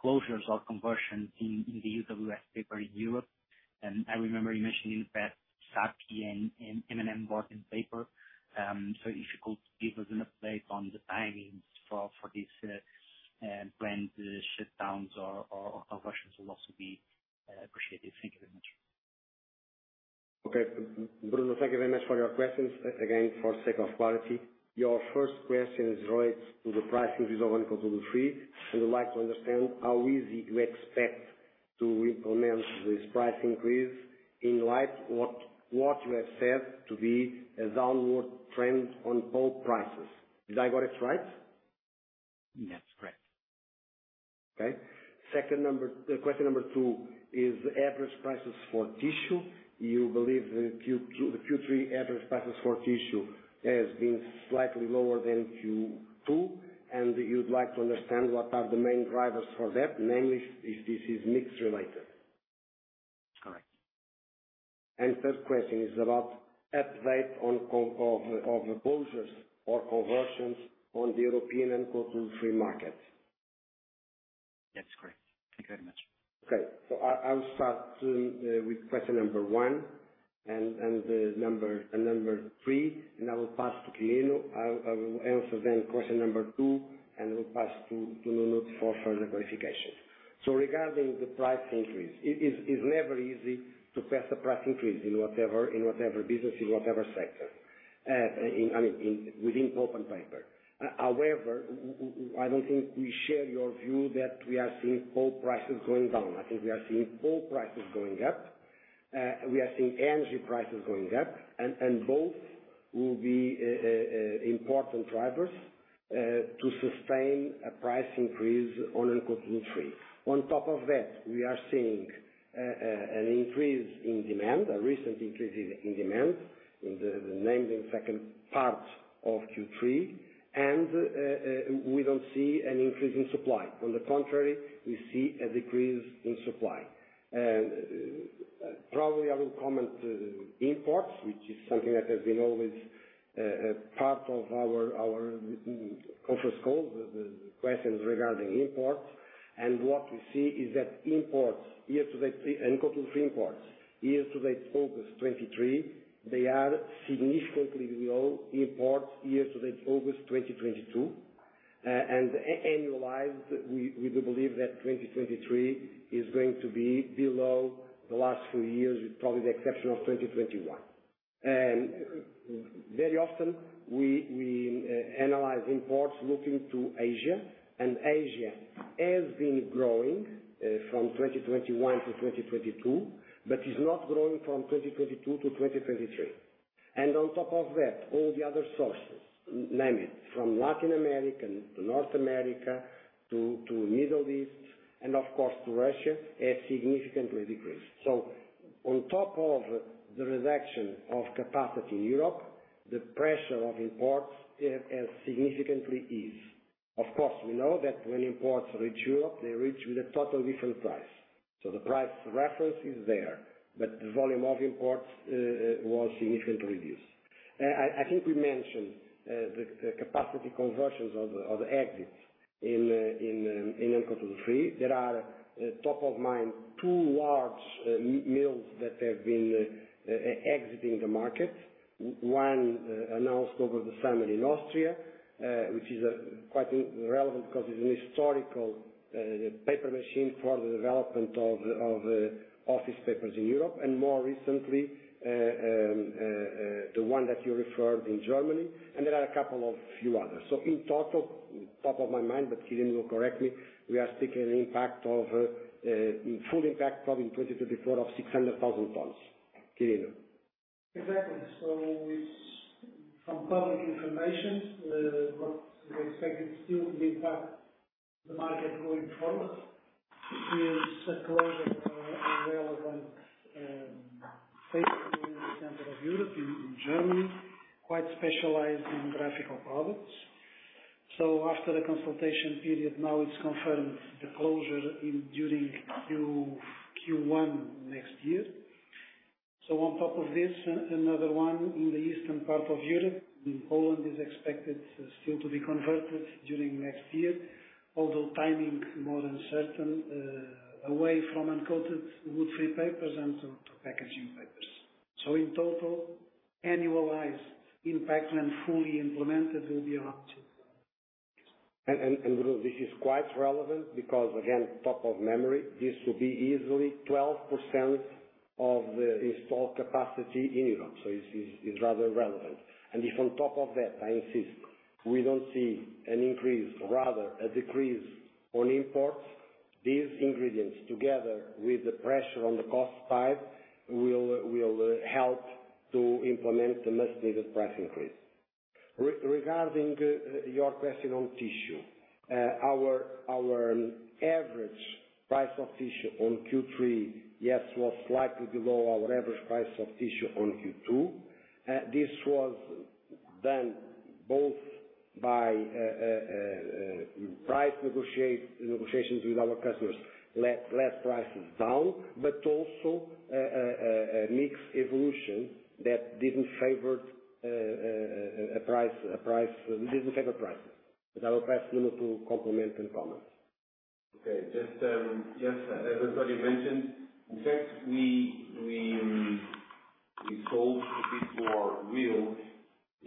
closures or conversion in the UWF paper in Europe. And I remember you mentioning that Sappi and M&M bought in paper. So if you could give us an update on the timings for this planned shutdowns or conversions will also be appreciated. Thank you very much. Okay, Bruno, thank you very much for your questions. Again, for sake of clarity, your first question is related to the pricing of uncoated woodfree, and we'd like to understand how easy you expect to implement this price increase in light what, what you have said to be a downward trend on pulp prices. Did I get it right? Yes, correct. Okay. Second number, question number 2 is the average prices for tissue. You believe the Q2 - the Q3 average prices for tissue has been slightly lower than Q2, and you'd like to understand what are the main drivers for that, mainly if this is mix related. Correct. The third question is about update on closures or conversions on the European uncoated woodfree market. That's correct. Thank you very much. Okay. So I'll start with question number one and number three, and I will pass to Quirino. I will answer then question number two, and we'll pass to Nuno for further verification. So regarding the price increase, it is never easy to pass a price increase in whatever business, in whatever sector, in, I mean, within pulp and paper. However, I don't think we share your view that we are seeing pulp prices going down. I think we are seeing pulp prices going up. We are seeing energy prices going up, and both will be important drivers to sustain a price increase on uncoated woodfree. On top of that, we are seeing an increase in demand, a recent increase in demand mainly in the second part of Q3. And we don't see an increase in supply. On the contrary, we see a decrease in supply. Probably, I will comment imports, which is something that has been always part of our conference call, the questions regarding imports. And what we see is that imports year-to-date and coated woodfree imports year-to-date, August 2023, they are significantly below imports year-to-date, August 2022. And annualized, we do believe that 2023 is going to be below the last few years, with probably the exception of 2021. Very often we analyze imports looking to Asia, and Asia has been growing from 2021 to 2022, but is not growing from 2022 to 2023. On top of that, all the other sources, namely from Latin America to North America to Middle East and of course to Russia, has significantly decreased. So on top of the reduction of capacity in Europe, the pressure of imports has significantly eased. Of course, we know that when imports reach Europe, they reach with a total different price. So the price reference is there, but the volume of imports was significantly reduced. I think we mentioned the capacity conversions of the exits in uncoated woodfree. There are top of mind two large mills that have been exiting the market. One announced over the summer in Austria, which is quite relevant because it's a historical paper machine for the development of office papers in Europe. And more recently the one that you referred in Germany, and there are a couple of few others. So in total, top of mind, but Quirino will correct me, we are seeing an impact of in full impact, probably in 2024 of 600,000 tons. Quirino? Exactly. So with some public information, what we expected still to impact the market going forward is a closure of a relevant factory in the center of Europe, in Germany, quite specialized in graphic products. So after the consultation period, now it's confirmed the closure during Q1 next year. So on top of this, another one in the eastern part of Europe, in Poland, is expected still to be converted during next year. Although timing more uncertain, away from uncoated woodfree papers and to packaging papers. So in total, annualized impact when fully implemented, will be around two. And this is quite relevant because again, top of mind, this will be easily 12% of the installed capacity in Europe. So it's rather relevant. And if on top of that, I insist, we don't see an increase, rather a decrease on imports, these ingredients, together with the pressure on the cost side, will help to implement the much needed price increase. Regarding your question on tissue, our average price of tissue on Q3, yes, was slightly below our average price of tissue on Q2. This was done both by price negotiations with our customers, less prices down, but also a mixed evolution that didn't favor a price. We didn't favor prices. But I will ask Nuno to complement and comment. Okay. Just yes, as everybody mentioned, in fact, we sold a bit more rolls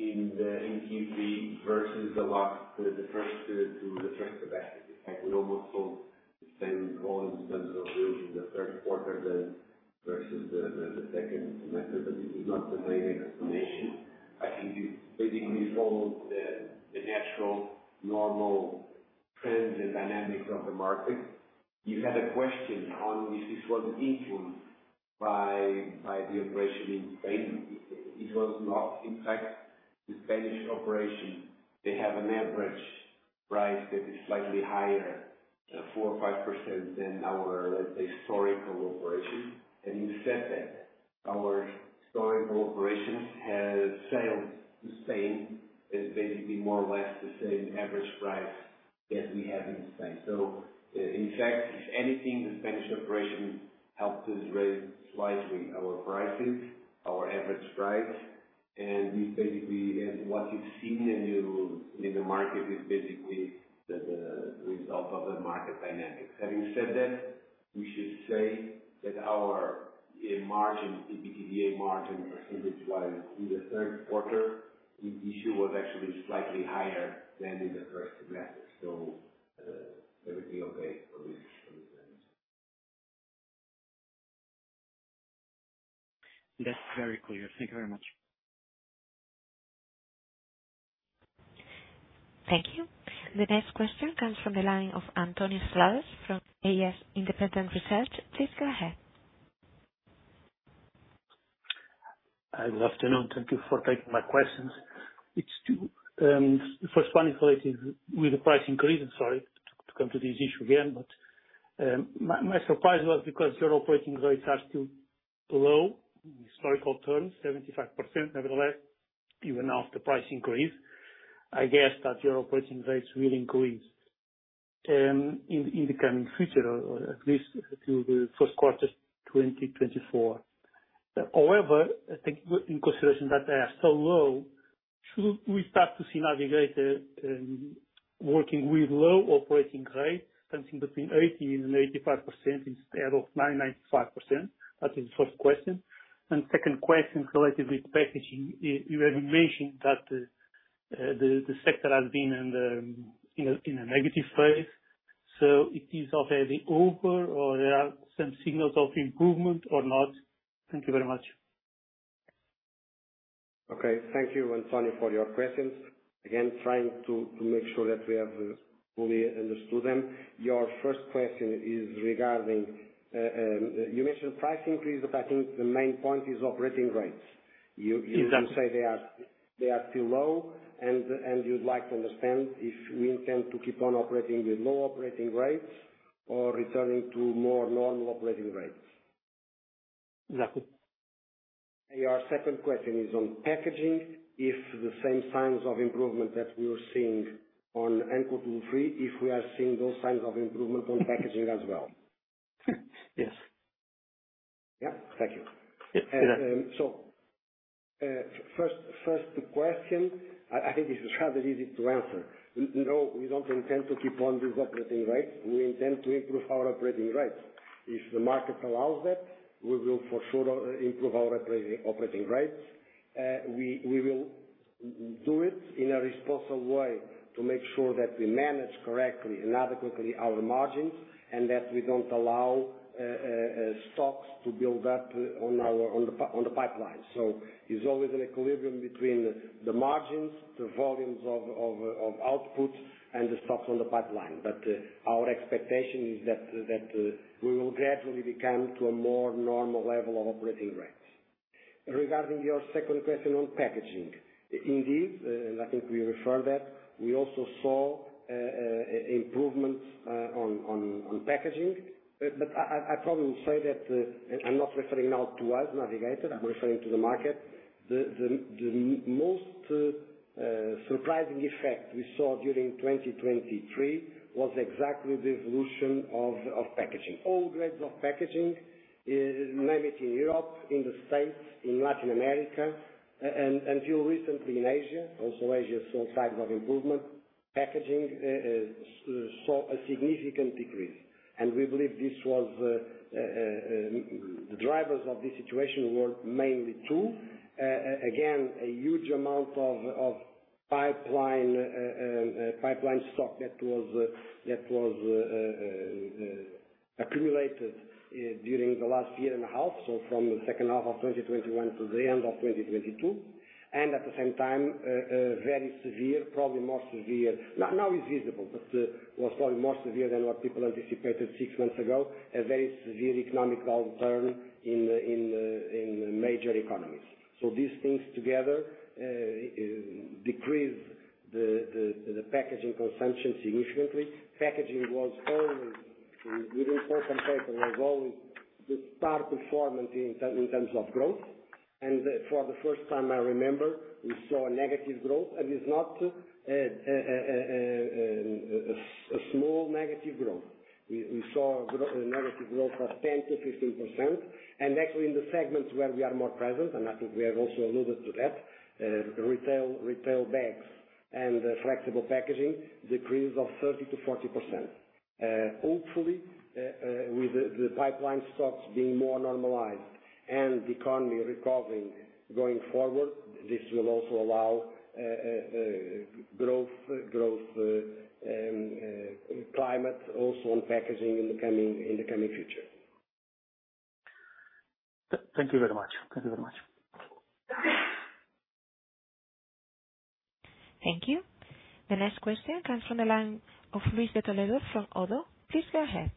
in Q3 versus the first semester. In fact, we almost sold the same volume in terms of rolls in the third quarter than versus the second semester, but this is not the main explanation. I think we basically saw the natural, normal trends and dynamics of the market. You had a question on if this was influenced by the operation in Spain. It was not. In fact, the Spanish operation they have an average price that is slightly higher, 4 or 5% than our historical operation. Having said that, our historical operations have sold the same as basically more or less the same average price that we have in Spain. So, in fact, if anything, the Spanish operation helped us raise slightly our prices, our average price, and we basically. And what you've seen in the market is basically the result of the market dynamics. Having said that, we should say that our in margin, EBITDA margin percentage-wise, in the third quarter, the issue was actually slightly higher than in the first semester. So, everything okay from this end. That's very clear. Thank you very much. Thank you. The next question comes from the line of Antonio Salas from AS Independent Research. Please go ahead. Hi, good afternoon. Thank you for taking my questions. It's two. The first one is related with the price increase. Sorry to come to this issue again, but my surprise was because your operating rates are still low in historical terms, 75%. Nevertheless, even after price increase, I guess that your operating rates will increase in the coming future, or at least through the first quarter of 2024. However, taking in consideration that they are so low, should we start to see Navigator working with low operating rates, something between 80%-85%, instead of 90%-95%? That is the first question. Second question, related with packaging. You have mentioned that the sector has been in a negative phase, so it is already over or there are some signals of improvement or not? Thank you very much. Okay. Thank you, Antonio, for your questions. Again, trying to make sure that we have fully understood them. Your first question is regarding, you mentioned price increase, but I think the main point is operating rates. Exactly. You say they are still low, and you'd like to understand if we intend to keep on operating with low operating rates or returning to more normal operating rates. Exactly. Your second question is on packaging, if the same signs of improvement that we are seeing on ANCO 2, 3, if we are seeing those signs of improvement on packaging as well? Yes. Yeah. Thank you. Yeah. First question, I think this is rather easy to answer. No, we don't intend to keep on these operating rates. We intend to improve our operating rates. If the market allows that, we will for sure improve our operating rates. We will do it in a responsible way to make sure that we manage correctly and adequately our margins, and that we don't allow stocks to build up on our pipeline. So there's always an equilibrium between the margins, the volumes of outputs and the stocks on the pipeline. But our expectation is that we will gradually return to a more normal level of operating rates. Regarding your second question on packaging. Indeed, and I think we referred that, we also saw improvements on packaging. But I probably say that, and I'm not referring now to us, Navigator, I'm referring to the market. The most surprising effect we saw during 2023 was exactly the evolution of packaging. All grades of packaging, mainly in Europe, in the States, in Latin America, and until recently in Asia. Also, Asia saw signs of improvement. Packaging saw a significant decrease, and we believe this was the drivers of this situation were mainly two. Again, a huge amount of pipeline stock that was accumulated during the last year and a half. So from the second half of 2021 to the end of 2022, and at the same time, a very severe, probably more severe than what people anticipated six months ago, a very severe economic turn in the major economies. So these things together decrease the packaging consumption significantly. Packaging was only, within pulp and paper, was only the star performance in terms of growth. And for the first time I remember, we saw a negative growth, and it's not a small negative growth. We saw a negative growth of 10%-15%. Actually, in the segments where we are more present, and I think we have also alluded to that, retail, retail banks and flexible packaging decreased of 30%-40%. Hopefully, with the pipeline stocks being more normalized and the economy recovering going forward, this will also allow growth, growth, climate also on packaging in the coming, in the coming future. Thank you very much. Thank you very much. Thank you. The next question comes from the line of Luis de Toledo from Oddo. Please go ahead.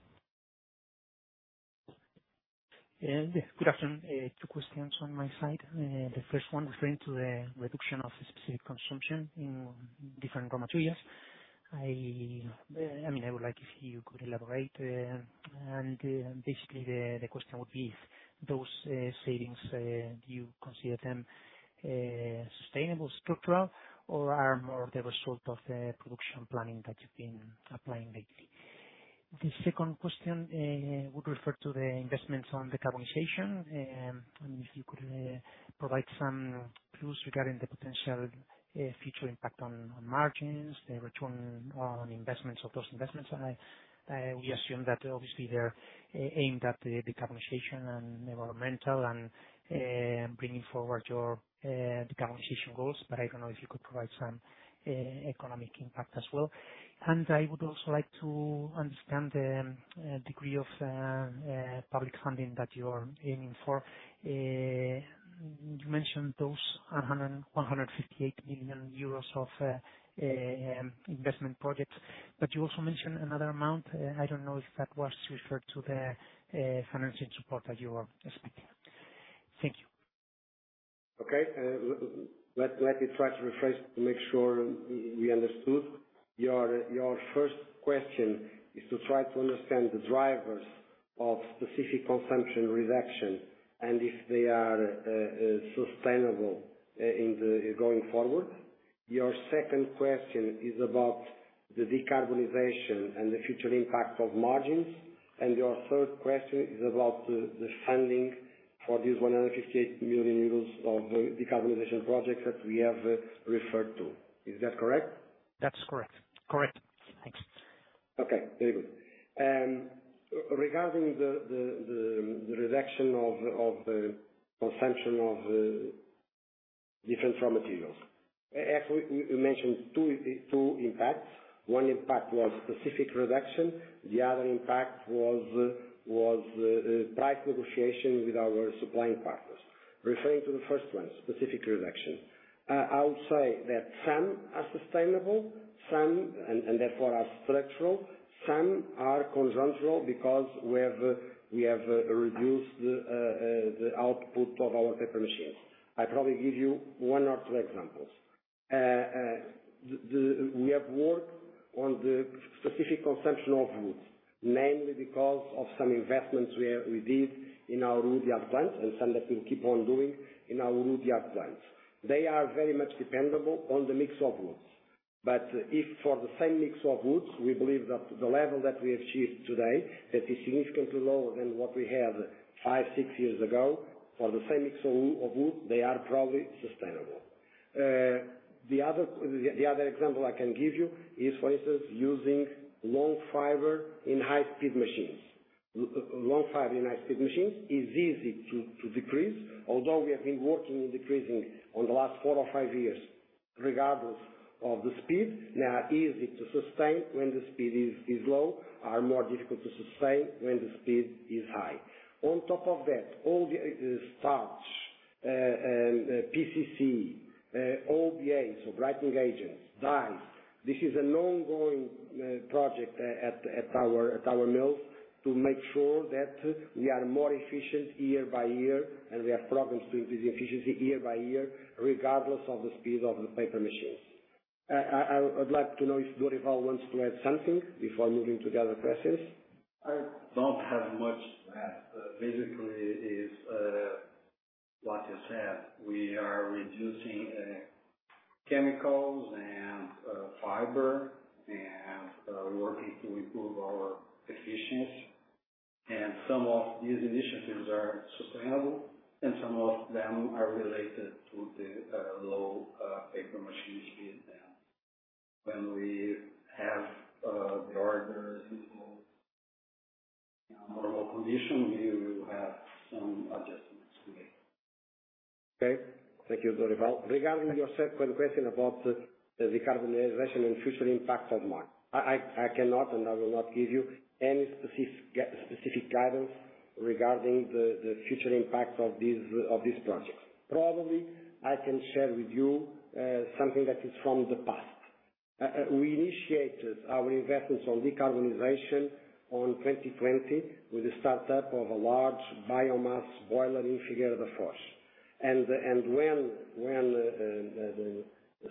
Yes, good afternoon. Two questions on my side. The first one referring to the reduction of specific consumption in different raw materials. I mean, I would like if you could elaborate, and basically, the question would be, if those savings, do you consider them sustainable, structural, or are more of the result of the production planning that you've been applying lately? The second question would refer to the investments on decarbonization. I mean, if you could provide some clues regarding the potential future impact on margins, the return on investments of those investments. And we assume that obviously they're aimed at the decarbonization and environmental and bringing forward your decarbonization goals, but I don't know if you could provide some economic impact as well. I would also like to understand the degree of public funding that you're aiming for. You mentioned those 158 million euros of investment projects, but you also mentioned another amount. I don't know if that was referred to the financing support that you were speaking. Thank you. Okay. Let me try to rephrase to make sure we understood. Your first question is to try to understand the drivers of specific consumption reduction and if they are sustainable going forward. Your second question is about the decarbonization and the future impact of margins. And your third question is about the funding for these 158 million euros of the decarbonization projects that we have referred to. Is that correct? That's correct. Correct. Thanks. Okay, very good. Regarding the reduction of the consumption of different raw materials. Actually, we mentioned two impacts. One impact was specific reduction, the other impact was price negotiation with our supplying partners. Referring to the first one, specific reduction, I would say that some are sustainable, some, and therefore are structural, some are conjuncture because we have reduced the output of our paper machines. I probably give you one or two examples. We have worked on the specific consumption of wood, mainly because of some investments we did in our wood yard plants and some that we'll keep on doing in our wood yard plants. They are very much dependable on the mix of woods. But if for the same mix of woods, we believe that the level that we achieved today, that is significantly lower than what we had five, six years ago, for the same mix of wood, they are probably sustainable. The other example I can give you is, for instance, using long fiber in high-speed machines. Long fiber in high-speed machines is easy to decrease, although we have been working on decreasing on the last four or five years, regardless of the speed. They are easy to sustain when the speed is low, are more difficult to sustain when the speed is high. On top of that, all the starch and PCC, OBAs, so brightening agents, dyes, this is an ongoing project at our mills to make sure that we are more efficient year by year, and we have problems with the efficiency year by year, regardless of the speed of the paper machines. I would like to know if Dorival wants to add something before moving to the other questions. I don't have much to add. Basically, what you said. We are reducing chemicals and fiber and working to improve our efficiency. And some of these initiatives are sustainable, and some of them are related to the low paper machine speed. And when we have the orders in a more normal condition, we will have some adjustments to make. Okay. Thank you, Dorival. Regarding your second question about the decarbonization and future impact of margin, I cannot, and I will not give you any specific guidance regarding the future impact of these projects. Probably, I can share with you something that is from the past. We initiated our investments on decarbonization on 2020, with the start up of a large biomass boiler in Figueira da Foz. And when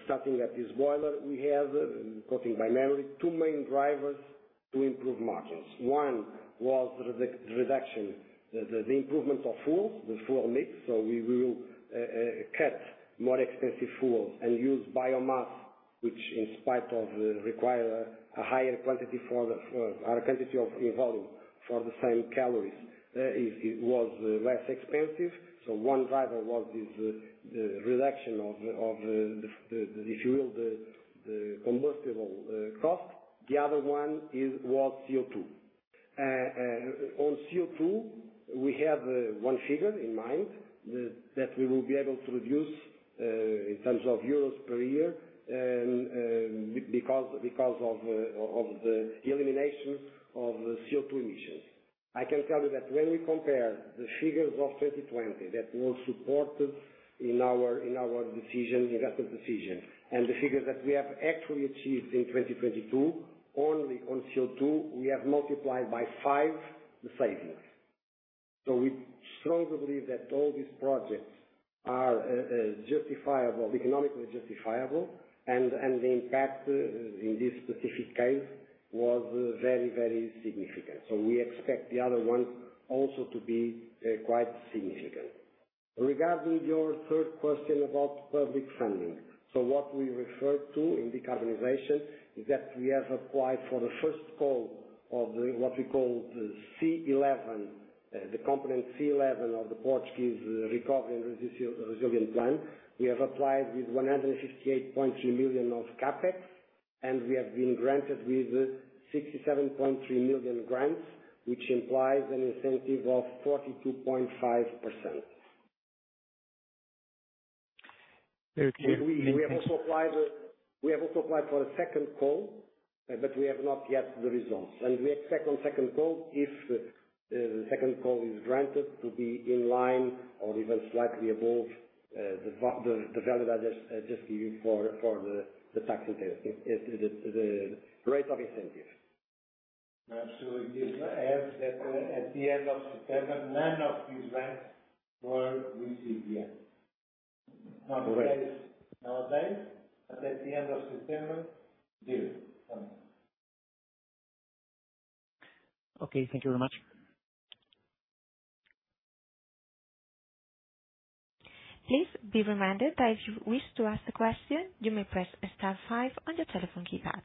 starting up this boiler, we have talking primarily two main drivers to improve margins. One was the reduction, the improvements of fuels, the fuel mix, so we will cut more expensive fuels and use biomass, which in spite of require a higher quantity for our quantity of volume for the same calories, it was less expensive. So one driver was this, the reduction of the fuel combustible cost. The other one was CO2. On CO2, we have one figure in mind that we will be able to reduce in terms of EUR per year, and because of the elimination of the CO2 emissions. I can tell you that when we compare the figures of 2020 that were supported in our investment decision, and the figures that we have actually achieved in 2022, only on CO2, we have multiplied by 5 the savings. So we strongly believe that all these projects are justifiable, economically justifiable, and the impact in this specific case was very, very significant. So we expect the other one also to be quite significant. Regarding your third question about public funding. What we refer to in decarbonization is that we have applied for the first call of the, what we call the C-eleven, the component C-eleven of the Portuguese Recovery and Resilience Plan. We have applied with 158.3 million of CapEx, and we have been granted with 67.3 million grants, which implies an incentive of 42.5%. Thank you- We have also applied for a second call, but we have not yet the results. We expect on second call, if the second call is granted, to be in line or even slightly above the value that I just give you for the tax rate of incentives. So it is at the end of September, none of these grants were received yet. Nowadays, but at the end of September, zero. Okay, thank you very much. Please be reminded that if you wish to ask a question, you may press star five on your telephone keypad.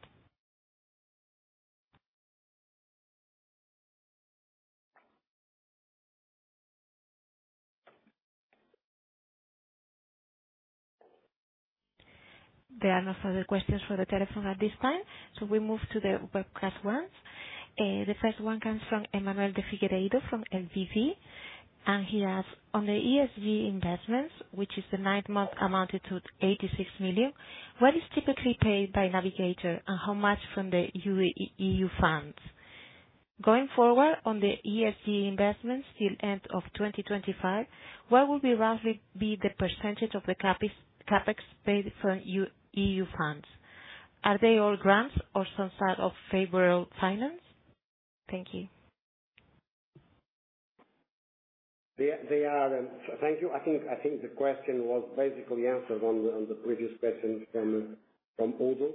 There are no further questions for the telephone at this time, so we move to the webcast ones. The first one comes from Emmanuel de Figueiredo, from LBP, and he asks: On the ESG investments, which is the nine months amounted to 86 million, what is typically paid by Navigator and how much from the EU funds? Going forward on the ESG investments till end of 2025, what will be roughly be the percentage of the CapEx, CapEx paid from EU funds? Are they all grants or some sort of favorable finance? Thank you. Thank you. I think the question was basically answered on the previous question from Udo.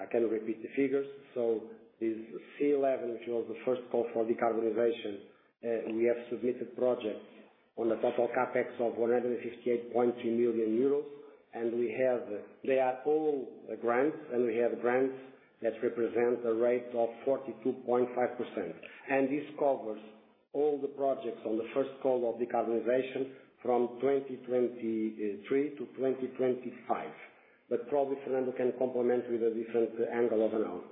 I can repeat the figures. So this C11, which was the first call for decarbonization, we have submitted projects on a total CapEx of 158.3 million euros, and we have—they are all grants, and we have grants that represent a rate of 42.5%. And this covers all the projects on the first call of decarbonization from 2023 to 2025. But probably Fernando can complement with a different angle of his own.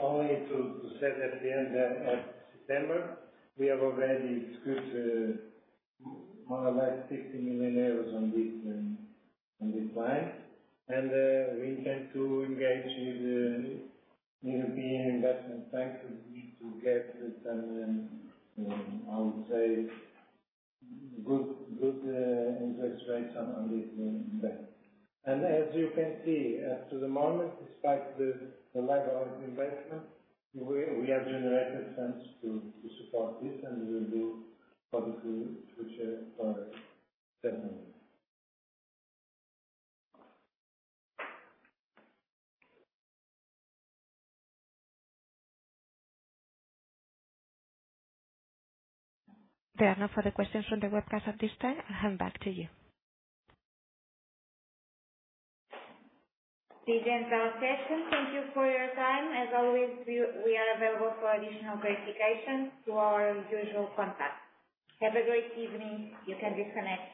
Only to say that at the end of September, we have already spent more or less 60 million euros on this line. And we tend to engage with European Investment Bank to get some, I would say, good interest rate on this investment. And as you can see, up to the moment, despite the lack of investment, we have generated funds to support this, and we will do probably future for certainly. There are no further questions from the webcast at this time. I hand back to you. Thank you for your time. As always, we are available for additional clarification to our usual contacts. Have a great evening. You can disconnect now.